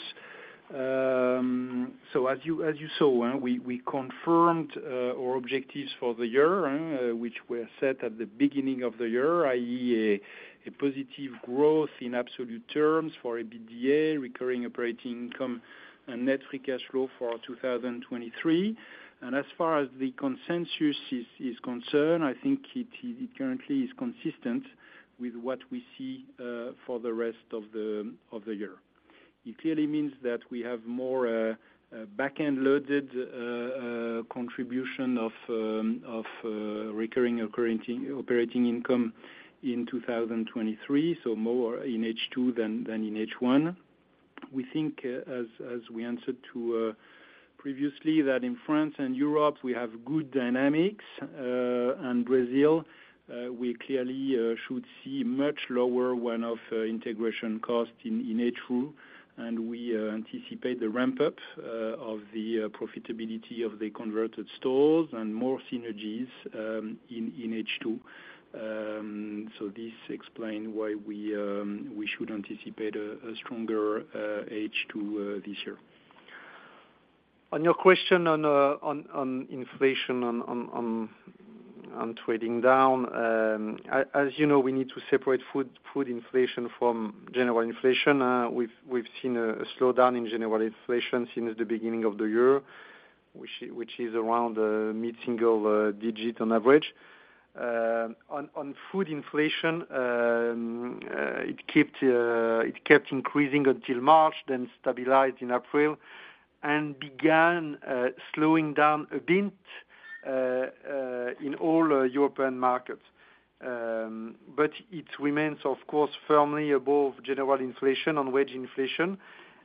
As you saw, we confirmed our objectives for the year, which were set at the beginning of the year, i.e., a positive growth in absolute terms for EBITDA, recurring operating income, and net free cash flow for 2023. As far as the consensus is concerned, I think it currently is consistent with what we see for the rest of the year. It clearly means that we have more back-end loaded contribution of recurring operating income in 2023, so more in H2 than in H1. We think as we answered to previously, that in France and Europe, we have good dynamics. Brazil, we clearly should see much lower one-off integration costs in H2, and we anticipate the ramp-up of the profitability of the converted stores and more synergies in H2. This explain why we should anticipate a stronger H2 this year. On your question on inflation, on trading down, as you know, we need to separate food inflation from general inflation. We've seen a slowdown in general inflation since the beginning of the year, which is around mid-single digit on average. On food inflation, it kept increasing until March, then stabilized in April and began slowing down a bit in all European markets. It remains, of course, firmly above general inflation and wage inflation.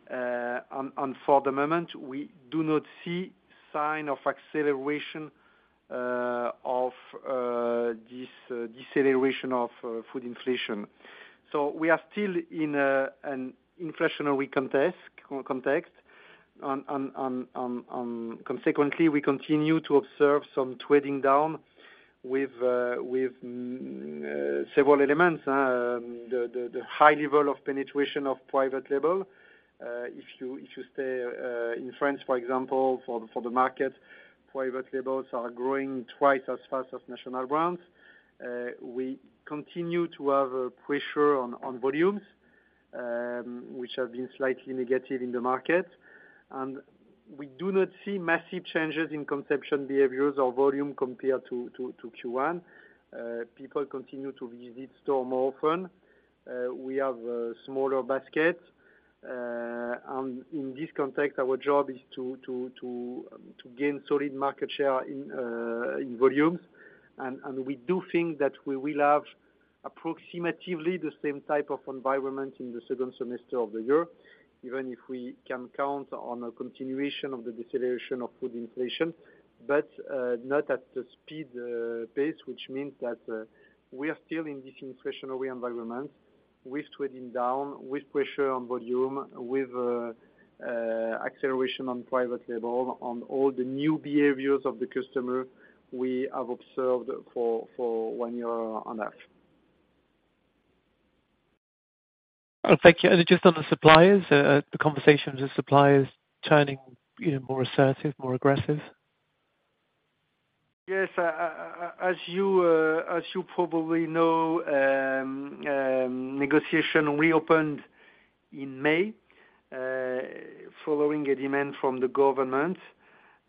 For the moment, we do not see sign of acceleration of this deceleration of food inflation. We are still in an inflationary context. On consequently, we continue to observe some trading down with several elements. The high level of penetration of private label, if you stay in France, for example, for the market, private labels are growing twice as fast as national brands. We continue to have a pressure on volumes, which have been slightly negative in the market. We do not see massive changes in consumption behaviors or volume compared to Q1. People continue to visit store more often. We have a smaller basket. In this context, our job is to gain solid market share in volumes. We do think that we will have approximately the same type of environment in the second semester of the year, even if we can count on a continuation of the deceleration of food inflation, but not at the speed pace. Means that we are still in this inflationary environment, with trading down, with pressure on volume, with acceleration on private label, on all the new behaviors of the customer we have observed for one year on that. Thank you. Just on the suppliers, the conversations with suppliers turning, you know, more assertive, more aggressive? Yes, as you probably know, negotiation reopened in May, following a demand from the government,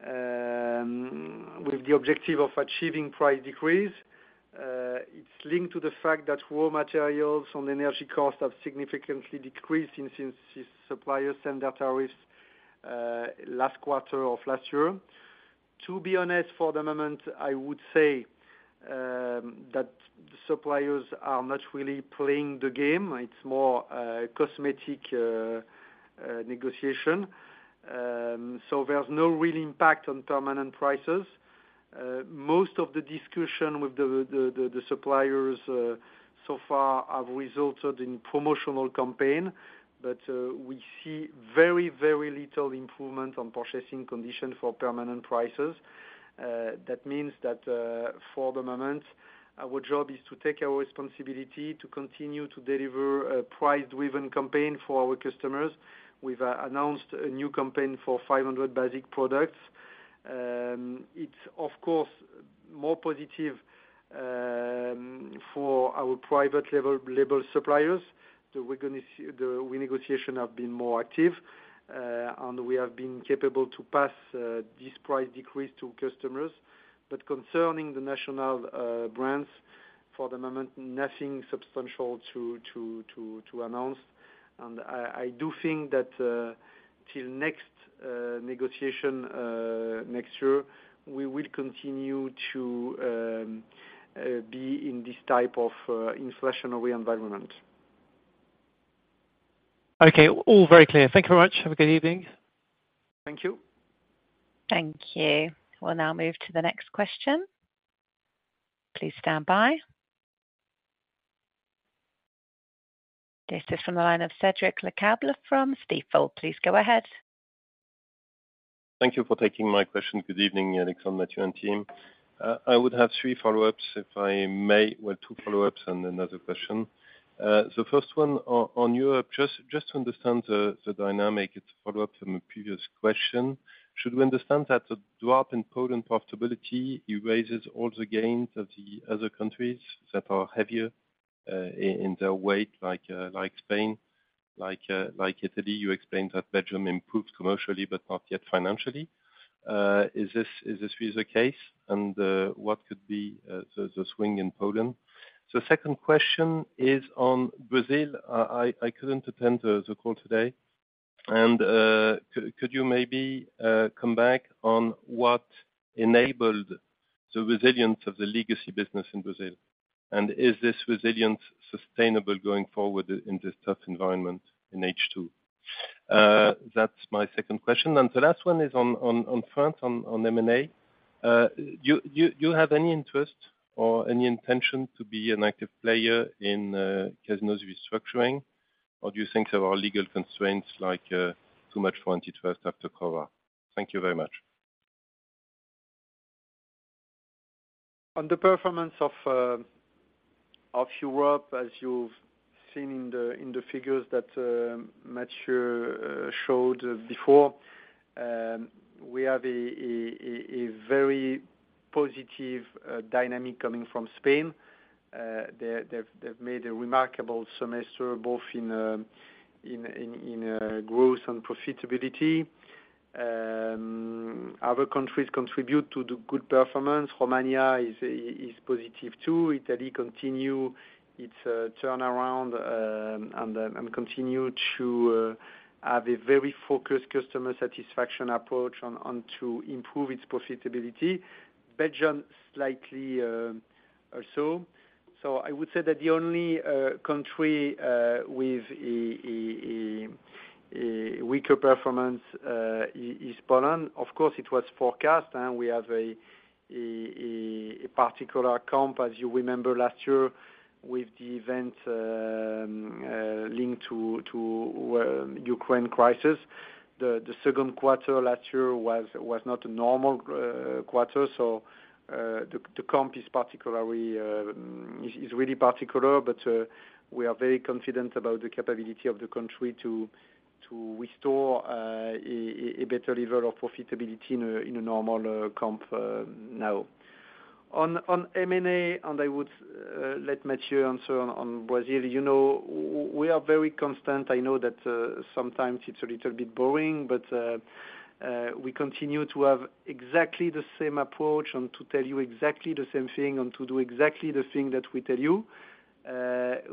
with the objective of achieving price decrease. It's linked to the fact that raw materials on energy costs have significantly decreased since suppliers sent their tariffs last quarter of last year. To be honest, for the moment, I would say that suppliers are not really playing the game. It's more, cosmetic negotiation. There's no real impact on permanent prices. Most of the discussion with the suppliers so far have resulted in promotional campaign, but we see very, very little improvement on purchasing conditions for permanent prices. That means that for the moment, our job is to take our responsibility to continue to deliver a price-driven campaign for our customers. We've announced a new campaign for 500 basic products. It's of course, more positive for our private level label suppliers. The renegotiation have been more active, and we have been capable to pass this price decrease to customers. Concerning the national brands, for the moment, nothing substantial to announce. I do think that till next negotiation next year, we will continue to be in this type of inflationary environment. Okay, all very clear. Thank you very much. Have a good evening. Thank you. Thank you. We'll now move to the next question. Please stand by. This is from the line of Cedric Lecasble from Stifel. Please go ahead. Thank you for taking my question. Good evening, Alexandre, Matthieu, and team. I would have three follow-ups, if I may, well, two follow-ups and another question. The first one on Europe, just to understand the dynamic, it's a follow-up from a previous question. Should we understand that the drop in Poland profitability erases all the gains of the other countries that are heavier in their weight, like Spain, like Italy? You explained that Belgium improved commercially, but not yet financially. Is this really the case? What could be the swing in Poland? Second question is on Brazil. I couldn't attend the call today, and could you maybe come back on what enabled the resilience of the legacy business in Brazil? Is this resilience sustainable going forward in this tough environment in H2? That's my second question. The last one is on France, on M&A. You, do you have any interest or any intention to be an active player in Casino's restructuring, or do you think there are legal constraints like, too much for antitrust have to cover? Thank you very much. On the performance of Europe, as you've seen in the figures that Matthieu showed before, we have a very positive dynamic coming from Spain. They've made a remarkable semester, both in growth and profitability. Other countries contribute to the good performance. Romania is positive, too. Italy continue its turnaround and continue to have a very focused customer satisfaction approach on to improve its profitability. Belgium, slightly, or so. I would say that the only country with a weaker performance is Poland. Of course, it was forecast, and we have a particular comp, as you remember, last year with the event linked to Ukraine crisis. The Q2 last year was not a normal quarter, the comp is particularly is really particular. we are very confident about the capability of the country to restore a better level of profitability in a normal comp now. On M&A, I would let Matthieu answer on Brazil. You know, we are very constant. I know that sometimes it's a little bit boring, we continue to have exactly the same approach and to tell you exactly the same thing and to do exactly the same that we tell you.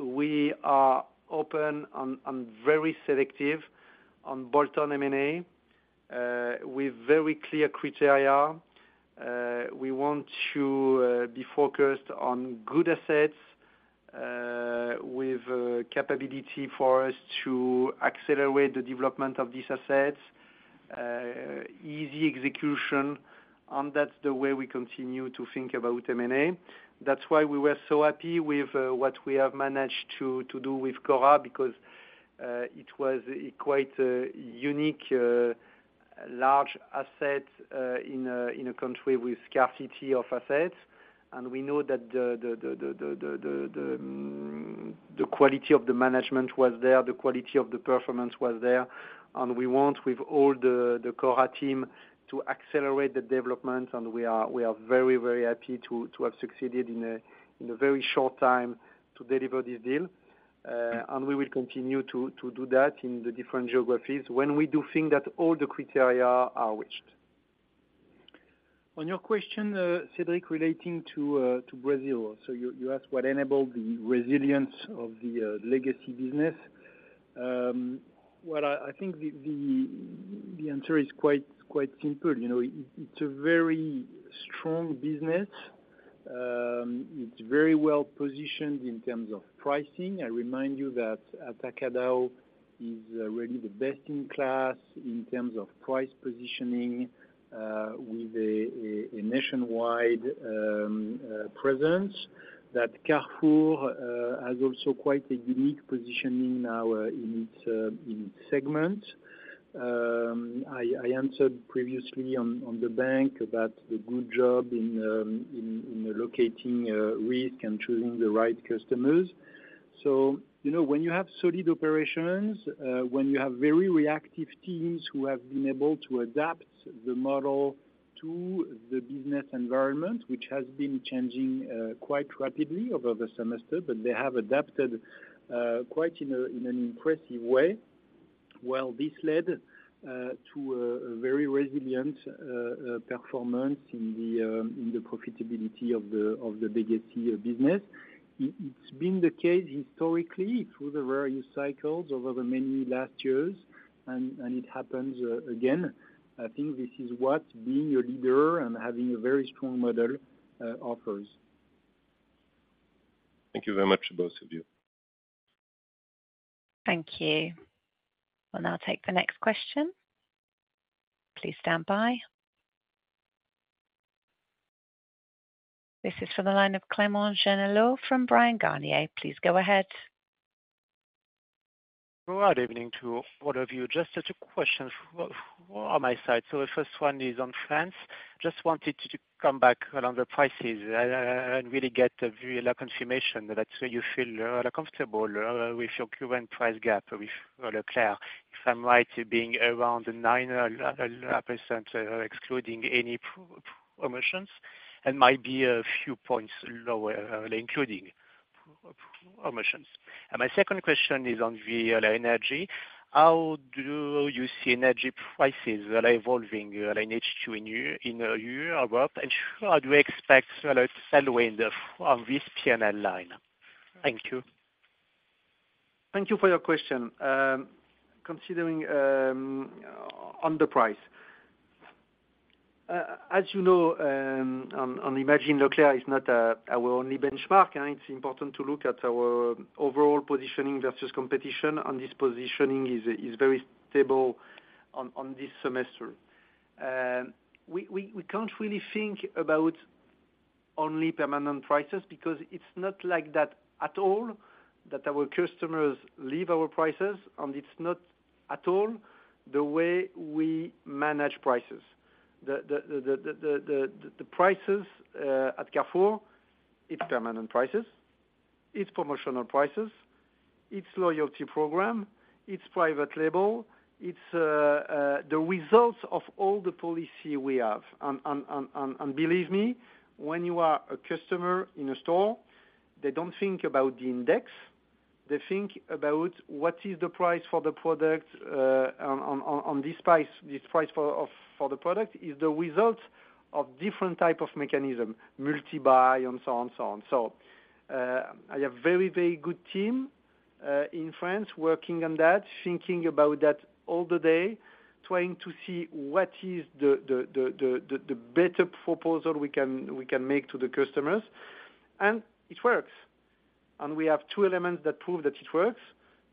we are open and very selective on bolt-on M&A with very clear criteria. We want to be focused on good assets, with capability for us to accelerate the development of these assets, easy execution, and that's the way we continue to think about M&A. That's why we were so happy with what we have managed to do with Cora, because it was quite a unique large asset in a country with scarcity of assets. We know that the quality of the management was there, the quality of the performance was there, and we want, with all the Cora team, to accelerate the development. We are very, very happy to have succeeded in a very short time to deliver this deal. We will continue to do that in the different geographies when we do think that all the criteria are reached. On your question, Cedric, relating to Brazil, you asked what enabled the resilience of the legacy business. Well, I think the answer is quite simple. You know, it's a very strong business. It's very well positioned in terms of pricing. I remind you that Atacadão is really the best-in-class in terms of price positioning, with a nationwide presence. Carrefour has also quite a unique positioning now, in its segment. I answered previously on the bank about the good job in allocating risk and choosing the right customers. You know, when you have solid operations, when you have very reactive teams who have been able to adapt the model to the business environment, which has been changing quite rapidly over the semester, but they have adapted quite in an impressive way. This led to a very resilient performance in the profitability of the legacy business. It's been the case historically through the various cycles over the many last years, and it happens again. I think this is what being a leader and having a very strong model offers. Thank you very much, both of you. Thank you. We'll now take the next question. Please stand by. This is for the line of Clement Genelot from Bryan Garnier. Please go ahead. Well, good evening to all of you. Just two questions on my side. The first one is on France. Just wanted to come back around the prices, and really get the real confirmation that you feel comfortable with your current price gap with Leclerc. If I'm right, it being around 9%, excluding any promotions, and might be a few points lower, including promotions. My second question is on the energy. How do you see energy prices evolving in H2, in year, in a year ahead, and how do you expect a tailwind on this PNL line? Thank you. Thank you for your question. Considering on the price, as you know, on Leclerc is not our only benchmark. It's important to look at our overall positioning versus competition. This positioning is very stable on this semester. We can't really think about only permanent prices because it's not like that at all that our customers leave our prices. It's not at all the way we manage prices. The prices at Carrefour, it's permanent prices, it's promotional prices, it's loyalty program, it's private label, it's the results of all the policy we have. Believe me, when you are a customer in a store, they don't think about the index, they think about what is the price for the product, and this price for the product is the result of different type of mechanism, multi-buy, and so on, so on. I have very, very good team in France working on that, thinking about that all the day, trying to see what is the better proposal we can make to the customers, and it works. We have two elements that prove that it works.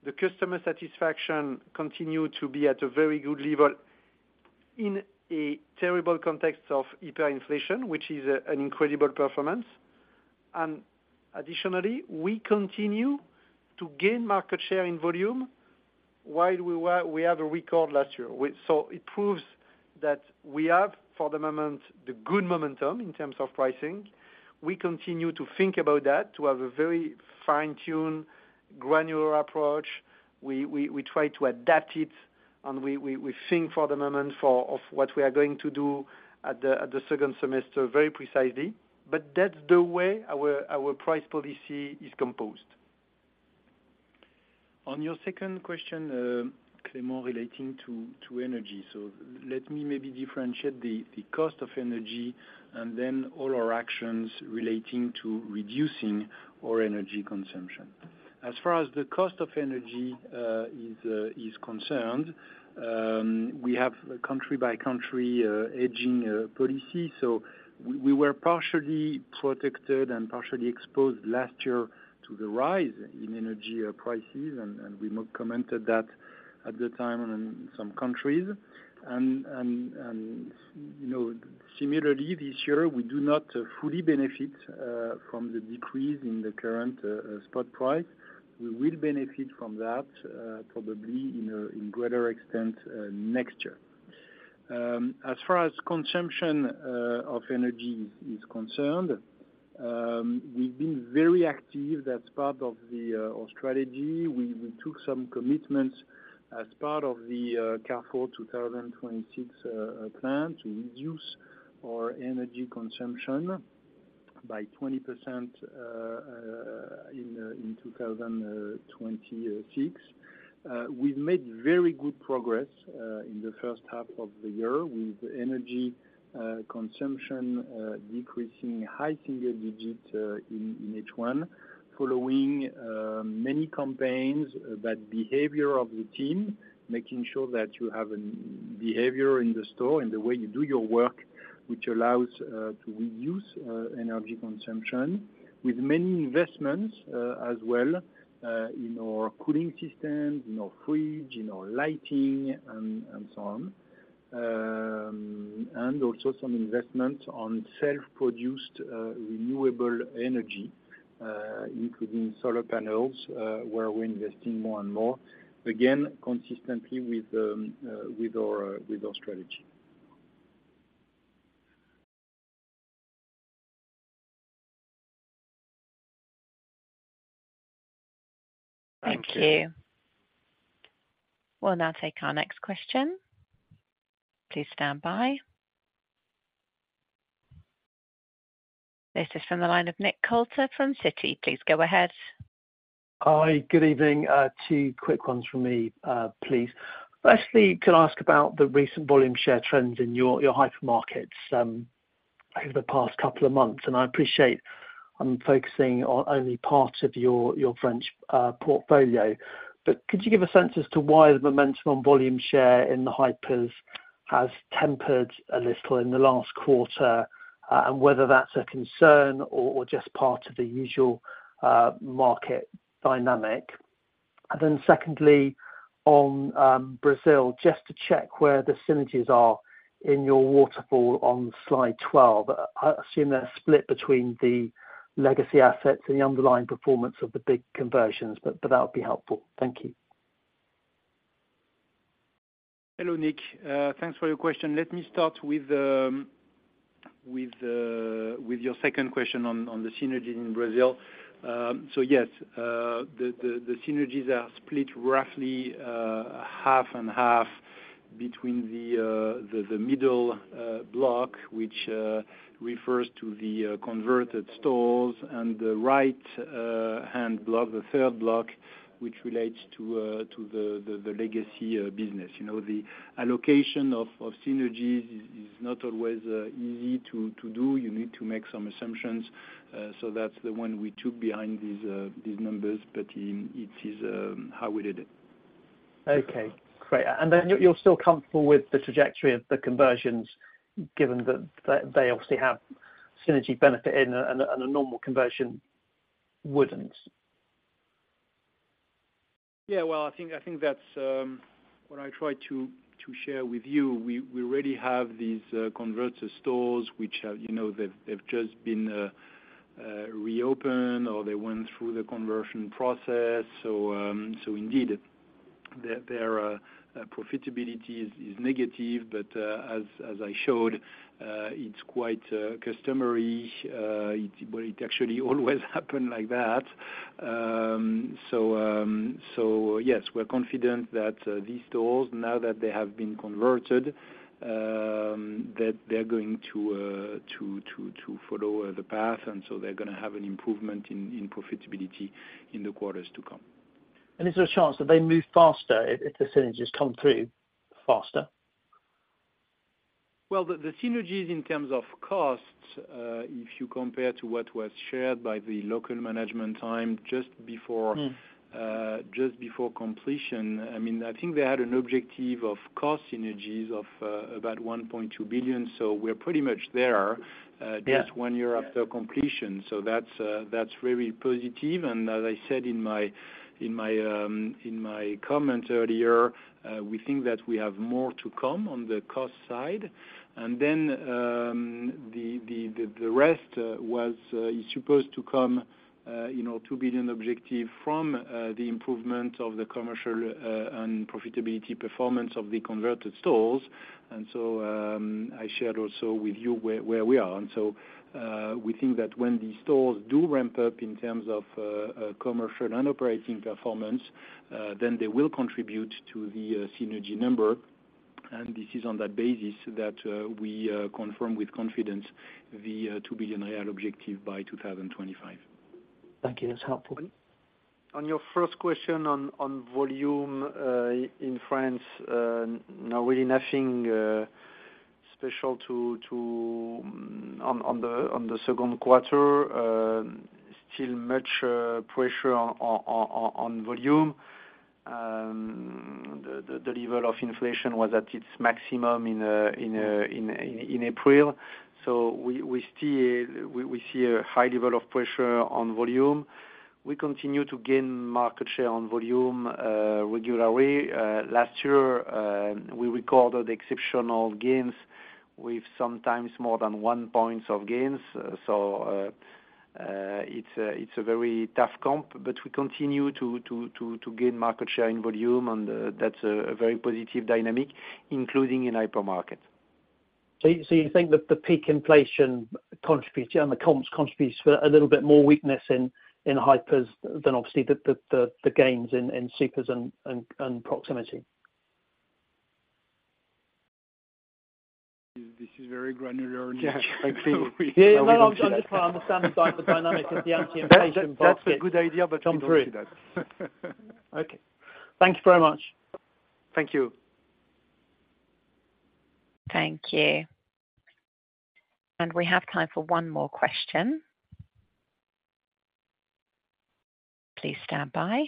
The customer satisfaction continue to be at a very good level in a terrible context of hyperinflation, which is an incredible performance. Additionally, we continue to gain market share in volume, while we have a record last year. It proves that we have, for the moment, the good momentum in terms of pricing. We continue to think about that, to have a very fine-tuned, granular approach. We try to adapt it, and we think for the moment of what we are going to do at the second semester, very precisely. That's the way our price policy is composed. On your second question, Clement, relating to energy. Let me maybe differentiate the cost of energy and then all our actions relating to reducing our energy consumption. As far as the cost of energy is concerned, we have a country-by-country hedging policy, so we were partially protected and partially exposed last year to the rise in energy prices, and we commented that at the time in some countries. Similarly, this year, we do not fully benefit from the decrease in the current spot price. We will benefit from that probably in a greater extent next year. As far as consumption of energy is concerned, we've been very active. That's part of our strategy. We took some commitments as part of the Carrefour 2026 plan to reduce our energy consumption by 20% in 2026. We've made very good progress in the H1 of the year with energy consumption decreasing high single digits in H1. Following many campaigns, that behavior of the team, making sure that you have a behavior in the store and the way you do your work, which allows to reduce energy consumption with many investments as well in our cooling system, in our fridge, in our lighting, and so on. Also some investment on self-produced renewable energy, including solar panels, where we're investing more and more, again, consistently with the with our strategy. Thank you. We'll now take our next question. Please stand by. This is from the line of Nick Coulter from Citi. Please go ahead. Hi, good evening. two quick ones from me, please. Firstly, can I ask about the recent volume share trends in your hypermarkets over the past couple of months, and I appreciate I'm focusing on only part of your French portfolio. Could you give a sense as to why the momentum on volume share in the hypers has tempered a little in the last quarter, and whether that's a concern or just part of the usual market dynamic? Secondly, on Brazil, just to check where the synergies are in your waterfall on slide 12. I assume they're split between the legacy assets and the underlying performance of the BIG conversions, but that would be helpful. Thank you. Hello, Nick. Thanks for your question. Let me start with your second question on the synergies in Brazil. Yes, the synergies are split roughly half and half between the middle block, which refers to the converted stores and the right hand block, the third block, which relates to the legacy business. You know, the allocation of synergies is not always easy to do. You need to make some assumptions. That's the one we took behind these numbers, but it is how we did it. Okay, great. You're still comfortable with the trajectory of the conversions, given that they obviously have synergy benefit and a normal conversion wouldn't? Well, I think that's what I tried to share with you. We already have these converter stores, which have, you know, they've just been reopened or they went through the conversion process. Indeed, their profitability is negative but as I showed, it's quite customary, well, it actually always happened like that. Yes, we're confident that these stores, now that they have been converted, that they're going to follow the path. They're going to have an improvement in profitability in the quarters to come. Is there a chance that they move faster if the synergies come through faster? Well, the synergies in terms of costs, if you compare to what was shared by the local management time, just before. Mm. Just before completion, I mean, I think they had an objective of cost synergies of about 1.2 billion. We're pretty much there. Yeah... just one year after completion. That's very positive. As I said in my comment earlier, we think that we have more to come on the cost side. The rest was supposed to come, you know, 2 billion objective from the improvement of the commercial and profitability performance of the converted stores. I shared also with you where we are. We think that when these stores do ramp up in terms of a commercial and operating performance, then they will contribute to the synergy number. This is on that basis that we confirm with confidence the 2 billion real objective by 2025. Thank you. That's helpful. On your first question on volume in France, no, really nothing special to. On the Q2, still much pressure on volume. The level of inflation was at its maximum in April, so we still see a high level of pressure on volume. We continue to gain market share on volume regularly. Last year, we recorded exceptional gains with sometimes more than 1 points of gains. It's a very tough comp, but we continue to gain market share and volume, and that's a very positive dynamic, including in hypermarket. You think that the peak inflation contributes, and the comps contributes for a little bit more weakness in hypers than obviously the gains in supers and proximity? This is very granular, Nick. Yeah, I see. Yeah, well, I'm just trying to understand the dynamics of the anti-inflation market. That's a good idea, but you don't see that. Okay. Thank you very much. Thank you. Thank you. We have time for one more question. Please stand by.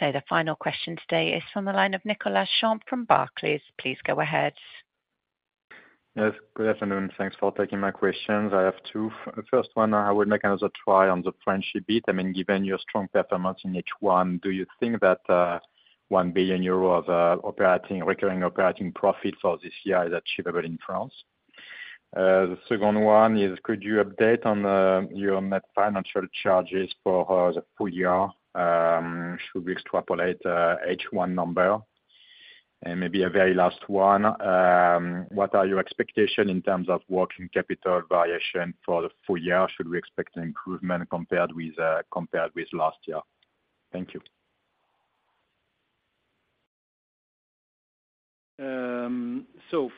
The final question today is from the line of Nicolas Champ from Barclays. Please go ahead. Yes, good afternoon. Thanks for taking my questions. I have two. The first one, I will make another try on the French beat. I mean, given your strong performance in H1, do you think that, 1 billion euro of operating, recurring operating profit for this year is achievable in France? The second one is, could you update on your net financial charges for the full year? Should we extrapolate H1 number? Maybe a very last one, what are your expectation in terms of working capital variation for the full year? Should we expect an improvement compared with compared with last year? Thank you.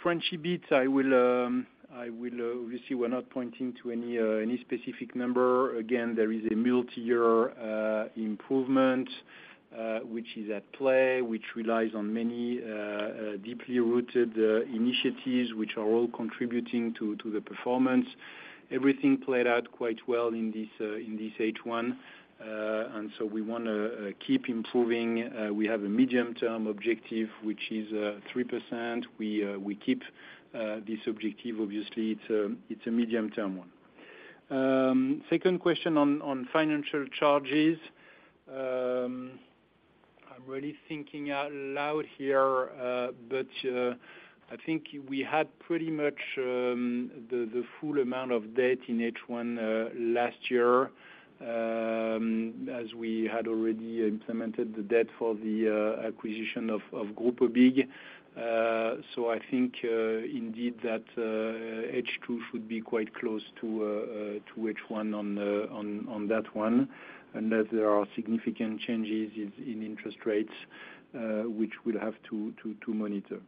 French EBIT, I will, I will, obviously we're not pointing to any specific number. Again, there is a multi-year improvement, which is at play, which relies on many deeply rooted initiatives, which are all contributing to the performance. Everything played out quite well in this H1. We want to keep improving. We have a medium term objective, which is 3%. We keep this objective. Obviously, it's a medium term one. Second question on financial charges. I'm really thinking out loud here, but I think we had pretty much the full amount of debt in H1 last year, as we had already implemented the debt for the acquisition of Grupo BIG. I think indeed that H2 should be quite close to H1 on that one, unless there are significant changes in interest rates, which we'll have to monitor.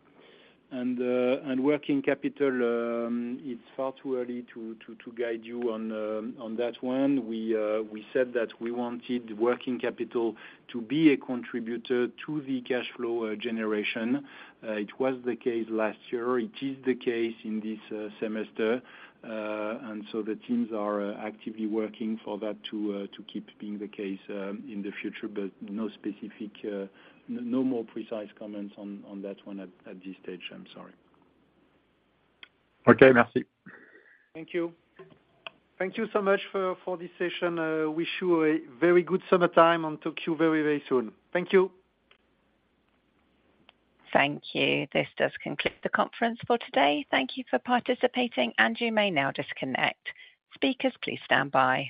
Working capital, it's far too early to guide you on that one. We said that we wanted working capital to be a contributor to the cash flow generation. It was the case last year, it is the case in this semester. The teams are actively working for that to keep being the case in the future, but no specific, no more precise comments on that one at this stage, I'm sorry. Okay, merci. Thank you. Thank you so much for this session. Wish you a very good summertime. Talk to you very soon. Thank you. Thank you. This does conclude the conference for today. Thank you for participating, and you may now disconnect. Speakers, please stand by.